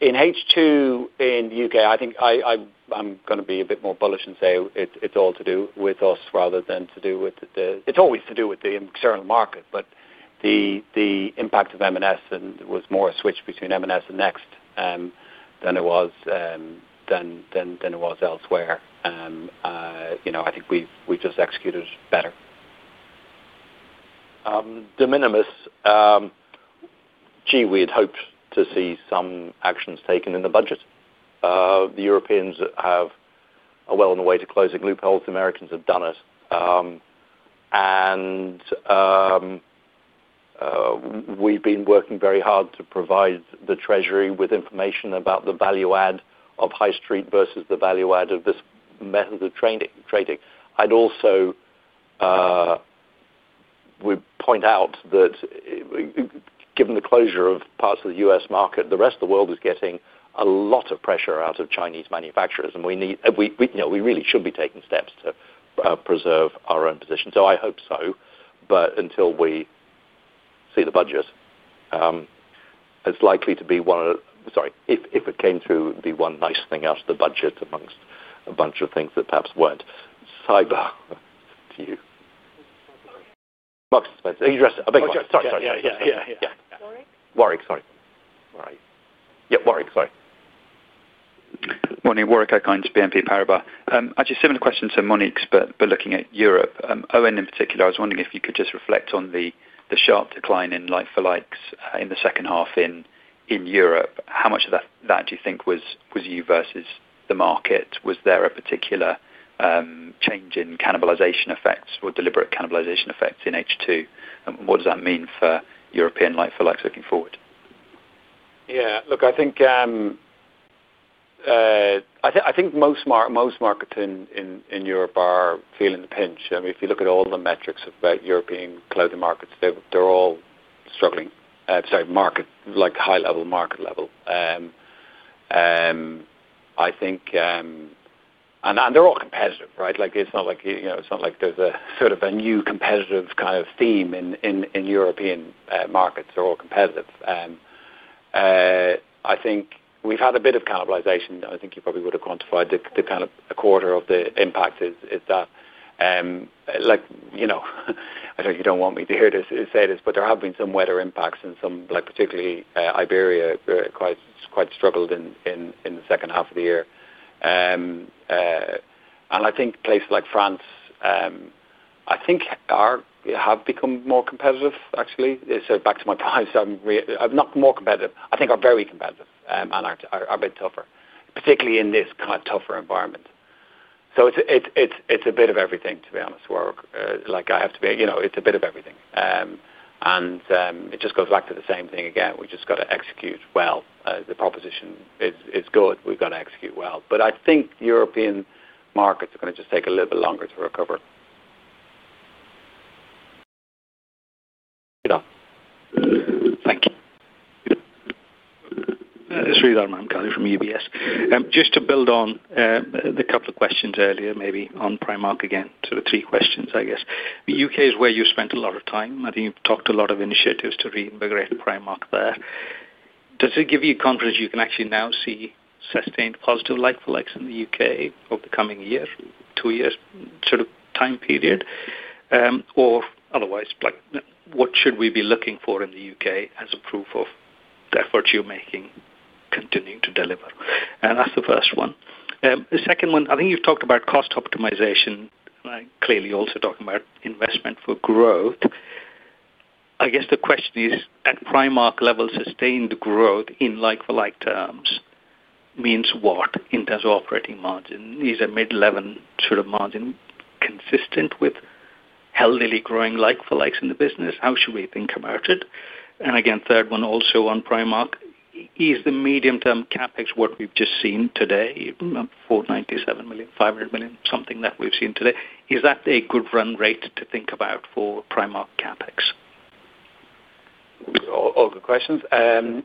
In H2 in the U.K., I think I'm going to be a bit more bullish and say it's all to do with us rather than to do with the—it's always to do with the external market, but the impact of M&S was more a switch between M&S and Next than it was elsewhere. I think we've just executed better. De minimis. Gee, we had hoped to see some actions taken in the budget. The Europeans have a well on the way to closing loopholes. The Americans have done it. We've been working very hard to provide the Treasury with information about the value-add of High Street versus the value-add of this method of trading. I'd also point out that given the closure of parts of the U.S. market, the rest of the world is getting a lot of pressure out of Chinese manufacturers. We really should be taking steps to preserve our own position. I hope so. But until we see the budget. It's likely to be one of—sorry, if it came through, it'd be one nice thing out of the budget amongst a bunch of things that perhaps were not. Cyber. To you. Market expenses. Sorry. Yeah. Warwick. Sorry. [Monique] Warwick Okines, BNP Paribas. Actually, similar question to Monique's, but looking at Europe. Eoin, in particular, I was wondering if you could just reflect on the sharp decline in like-for-likes in the second half in Europe. How much of that do you think was you versus the market? Was there a particular change in cannibalization effects or deliberate cannibalization effects in H2? And what does that mean for European like-for-likes looking forward? Yeah. Look, I think most markets in Europe are feeling the pinch. I mean, if you look at all the metrics about European clothing markets, they are all struggling. Sorry, high-level market level. I think they are all competitive, right? It's not like there is a sort of a new competitive kind of theme in European markets. They are all competitive. I think we've had a bit of cannibalization. I think you probably would have quantified the kind of a quarter of the impact is that. I know you do not want me to hear this or say this, but there have been some wetter impacts in some, particularly Iberia. Quite struggled in the second half of the year. I think places like France, I think, have become more competitive, actually. Back to my prior side, not more competitive. I think they are very competitive and are a bit tougher, particularly in this kind of tougher environment. It is a bit of everything, to be honest. I have to be—it is a bit of everything. It just goes back to the same thing again. We just have to execute well. The proposition is good. We have to execute well. I think European markets are going to just take a little bit longer to recover. Good afternoon. Thank you. It's [Rizal Mankali] from UBS. Just to build on the couple of questions earlier, maybe on Primark again, sort of three questions, I guess. The U.K. is where you spent a lot of time. I think you have talked to a lot of initiatives to reinvigorate Primark there. Does it give you confidence you can actually now see sustained positive like-for-likes in the U.K. over the coming year, two years sort of time period? Or otherwise, what should we be looking for in the U.K. as a proof of the effort you are making continuing to deliver? That is the first one. The second one, I think you have talked about cost optimization. Clearly, you are also talking about investment for growth. I guess the question is, at Primark level, sustained growth in like-for-like terms means what in terms of operating margin? Is a mid-level sort of margin consistent with healthily growing like-for-likes in the business? How should we think about it? Again, third one, also on Primark, is the medium-term CapEx what we have just seen today, 497 million, 500 million, something that we have seen today? Is that a good run rate to think about for Primark CapEx? All good questions. I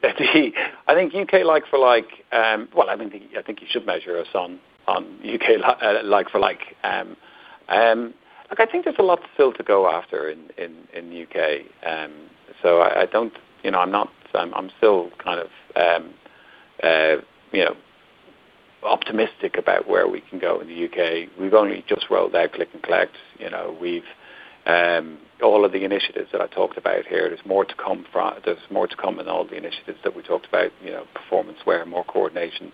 think U.K. like-for-like—well, I think you should measure us on U.K. like-for-like. Look, I think there is a lot still to go after in the U.K. I do not—I am still kind of optimistic about where we can go in the U.K. We have only just rolled out Click & Collect. All of the initiatives that I talked about here, there is more to come from—there is more to come in all the initiatives that we talked about, performance where more coordination,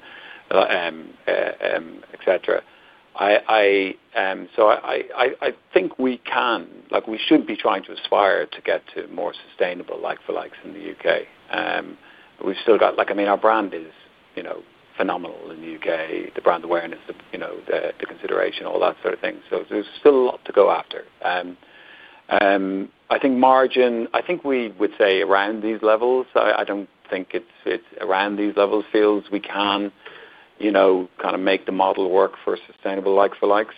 etc. I think we can—we should be trying to aspire to get to more sustainable like-for-likes in the U.K. We have still got—I mean, our brand is phenomenal in the U.K., the brand awareness, the consideration, all that sort of thing. There is still a lot to go after. I think margin—I think we would say around these levels. I do not think it is around these levels feels we can kind of make the model work for sustainable like-for-likes.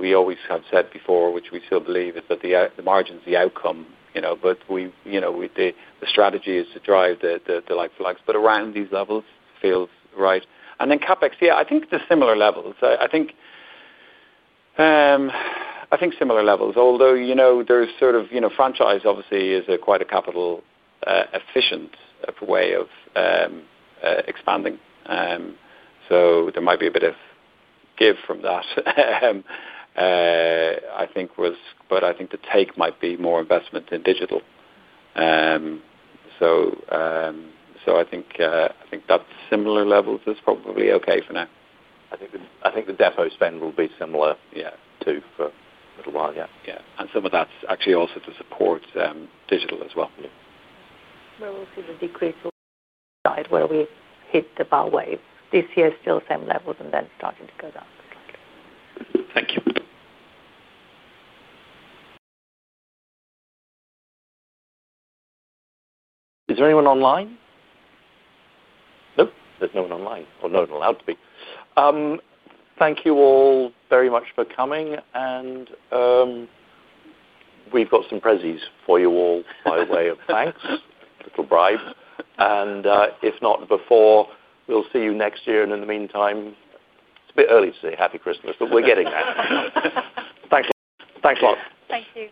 We always have said before, which we still believe, is that the margin is the outcome. The strategy is to drive the like-for-likes. Around these levels feels right. Then CapEx, yeah, I think the similar levels. I think similar levels. Although there is sort of franchise, obviously, is quite a capital efficient way of expanding. There might be a bit of give from that. I think was—but I think the take might be more investment in digital. I think that similar levels is probably okay for now. I think the depo spend will be similar, yeah, too for a little while. Yeah. Some of that is actually also to support digital as well. We will see the decrease side where we hit the bar wave. This year is still same levels and then starting to go down slightly. Thank you. Is there anyone online? Nope. There is no one online. No one allowed to be. Thank you all very much for coming. We have got some pressees for you all by way of thanks, little bribe. If not before, we will see you next year. In the meantime, it is a bit early to say Happy Christmas, but we are getting there. Thanks a lot. Thank you.